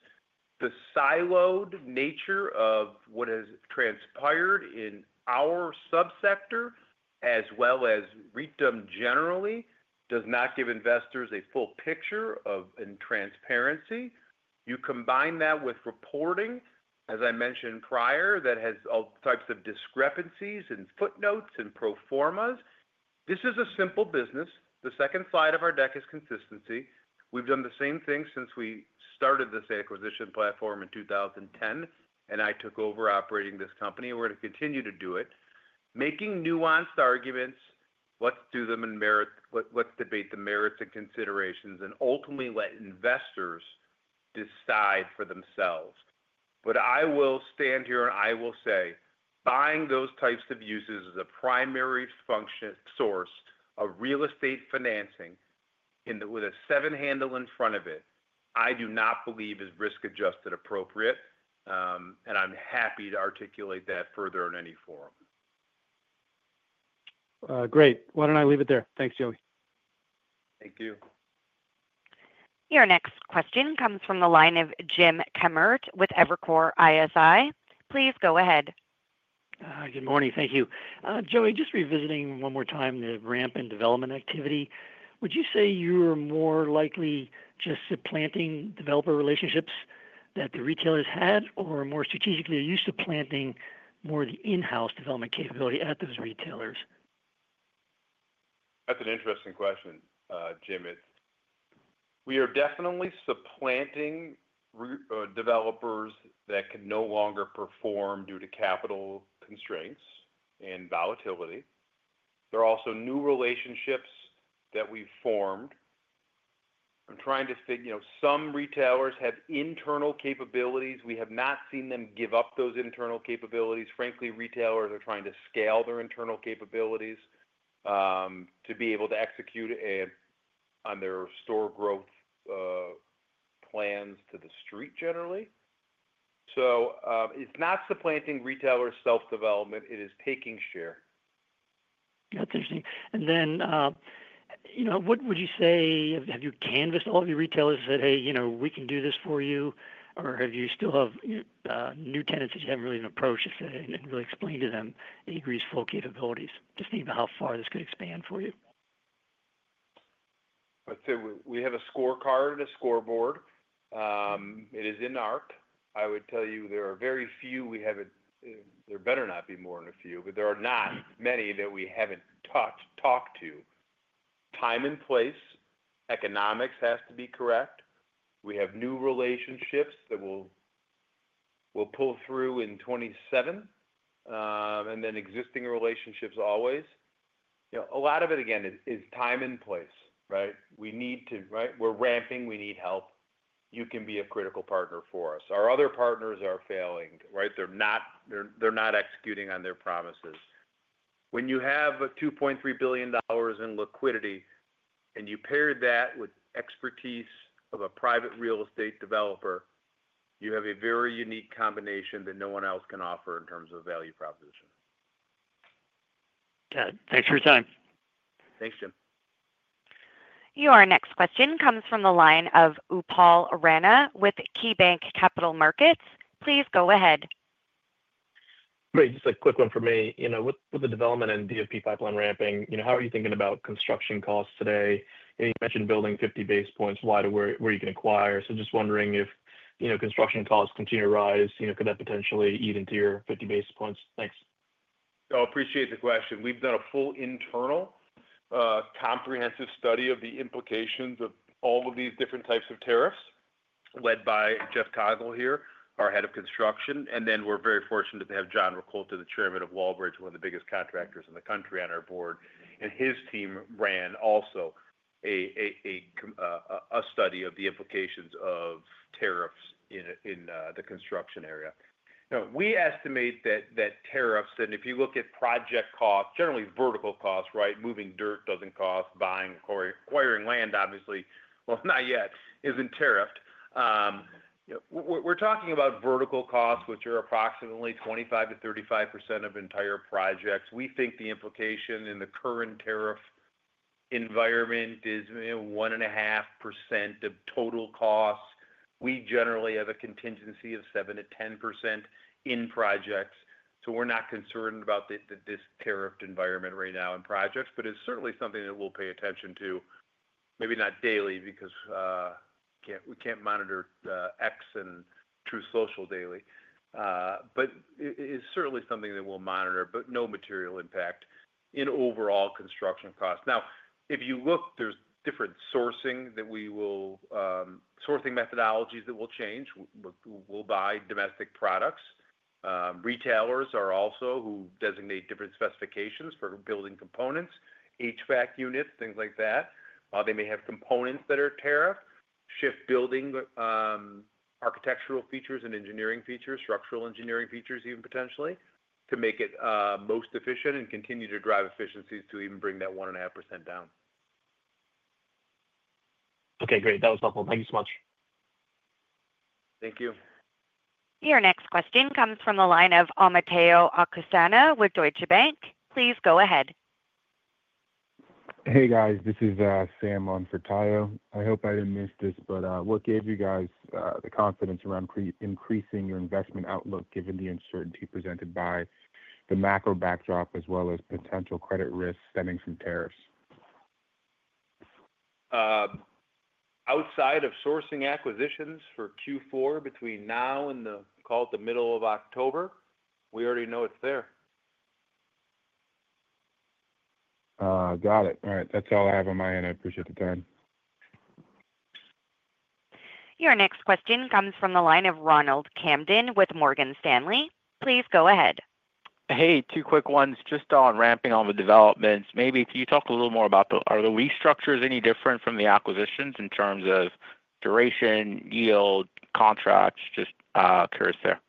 The siloed nature of what has transpired in our subsector as well as read them generally does not give investors a full picture of in transparency. You combine that with reporting, as I mentioned prior, that has all types of discrepancies and footnotes and pro formas. This is a simple business. The second side of our deck is consistency. We've done the same thing since we started this acquisition platform in 02/2010, and I took over operating this company. We're gonna continue to do it. Making nuanced arguments, let's do them in merit, Let let's debate the merits and considerations and ultimately let investors decide for themselves. But I will stand here and I will say buying those types of uses is a primary function source of real estate financing in the with a seven handle in front of it, I do not believe is risk adjusted appropriate, and I'm happy to articulate that further in any form. Great. Why don't I leave it there? Thanks, Joey. Thank you. Your next question comes from the line of Jim Kemmerer with Evercore ISI. Please go ahead. Good morning. Thank you. Joey, just revisiting one more time the ramp in development activity. Would you say you're more likely just supplanting developer relationships that the retailers had or more strategically used to planting more of the in house development capability at those retailers? That's an interesting question, Jim. It we are definitely supplanting developers that can no longer perform due to capital constraints and volatility. There are also new relationships that we formed. I'm trying to figure out some retailers have internal capabilities. We have not seen them give up those internal capabilities. Frankly, retailers are trying to scale their internal capabilities, to be able to execute on their store growth plans to the street generally. So, it's not supplanting retailer self development. It is taking share. Interesting. And then, you know, what would you say have you canvassed all of your retailers and said, hey. You know, we can do this for you, or have you still have new tenants that you haven't really even approached and said, hey. You didn't really explain to them Agree's full capabilities? Just think about how far this could expand for you. I'd say we have a scorecard and a scoreboard. It is in ARC. I would tell you there are very few. We have it there better not be more than a few, but there are not many that we haven't touched talked to. Time and place, economics has to be correct. We have new relationships that will will pull through in '27, and then existing relationships always. You know, a lot of it again is is time and place. Right? We need to right? We're ramping. We need help. You can be a critical partner for us. Our other partners are failing. Right? They're not they're they're not executing on their promises. When you have a $2,300,000,000 in liquidity and you pair that with expertise of a private real estate developer, you have a very unique combination that no one else can offer in terms of value proposition. Got it. Thanks for your time. Thanks, Jim. Your next question comes from the line of Upal Rana with KeyBanc Capital Markets. Please go ahead. Great. Just a quick one for me. With the development and D and P pipeline ramping, how are you thinking about construction costs today? You mentioned building 50 basis points wide where you can acquire. So just wondering if construction costs continue to rise, could that potentially even to your 50 basis points? Thanks. I appreciate the question. We've done a full internal comprehensive study of the implications of all of these different types of tariffs led by Jeff Coggle here, our head of construction. And then we're very fortunate to have John Ricolta, the chairman of Walbridge, one of the biggest contractors in the country on our board. And his team ran also a a a a a study of the implications of tariffs in in the construction area. Now we estimate that that tariffs and if you look at project cost, generally vertical cost, right, moving dirt doesn't cost buying or acquiring land obviously, well, not yet, is in tariff. We're talking about vertical cost, are approximately 25% to 35 of entire projects. We think the implication in the current tariff environment is 1.5% of total costs. We generally have a contingency of 7% to 10% in projects. So we're not concerned about this tariff environment right now in projects, but it's certainly something that we'll pay attention to. Maybe not daily because can't we can't monitor the x and true social daily. But it's certainly something that we'll monitor, but no material impact in overall construction cost. Now if you look, there's different sourcing that we will, sourcing methodologies that will change. We'll buy domestic products. Retailers are also who designate different specifications for building components, HVAC units, things like that. They may have components that are tariff, shift building, architectural features and engineering features, structural engineering features even potentially to make it, most efficient and continue to drive efficiencies even bring that 1.5% down. Okay, great. That was helpful. Thank you so much. Thank you. Your next question comes from the line of Omotayo Okusanya with Deutsche Bank. Please go ahead. Hey, guys. This is, Sam on for Tayo. I hope I didn't miss this, but, what gave you guys, the confidence around increasing your investment outlook given the uncertainty presented by the macro backdrop as well as potential credit risk stemming from tariffs? Outside of sourcing acquisitions for q four between now and the, call it, the October, we already know it's there. Got it. All right. That's all I have on my end. Appreciate the time. Your next question comes from the line of Ronald Camden with Morgan Stanley. Please go ahead. Hey. Two quick ones. Just on ramping on the developments. Maybe can you talk a little more about the are the lease structures any different from the acquisitions in terms of duration, yield, contracts? Just curious there.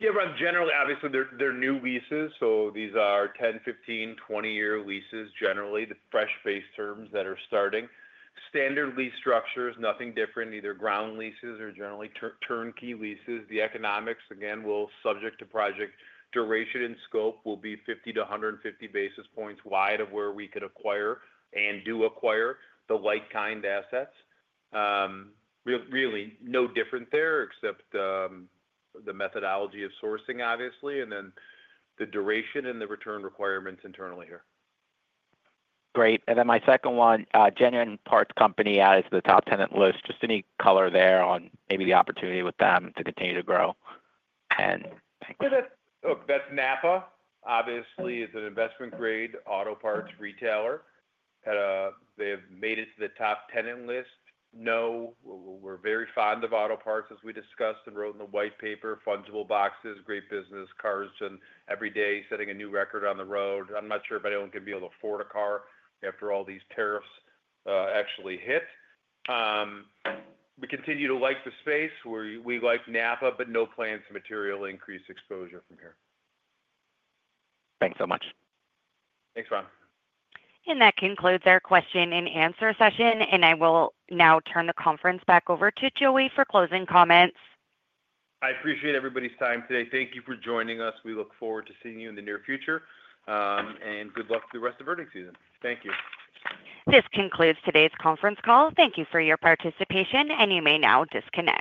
Yeah. But generally, obviously, they're they're new leases. So these are ten, fifteen, twenty year leases, generally, the fresh face terms that are starting. Standard lease structures, nothing different, either ground leases or generally turnkey leases. The economics, again, will subject to project duration and scope will be 50 to a 150 basis points wide of where we could acquire and do acquire the like kind assets. Really, different there except the methodology of sourcing, obviously, and then the duration and the return requirements internally here. Great. And then my second one, genuine parts company as the top tenant list. Just any color there on maybe the opportunity with them to continue to grow? And look. That's Napa. Obviously, it's an investment grade auto parts retailer. They've made it to the top tenant list. No. We're very fond of auto parts as we discussed and wrote in the white paper, fungible boxes, great business cars and every day setting a new record on the road. I'm not sure if anyone can be able to afford a car after all these tariffs, actually hit. We continue to like the space. We like Napa, but no plans to materially increase exposure from here. Thanks so much. Thanks, Ron. And that concludes our question and answer session. And I will now turn the conference back over to Joey for closing comments. I appreciate everybody's time today. Thank you for joining us. We look forward to seeing you in the near future, and good luck to the rest of the earning season. Thank you. This concludes today's conference call. Thank you for your participation, and you may now disconnect.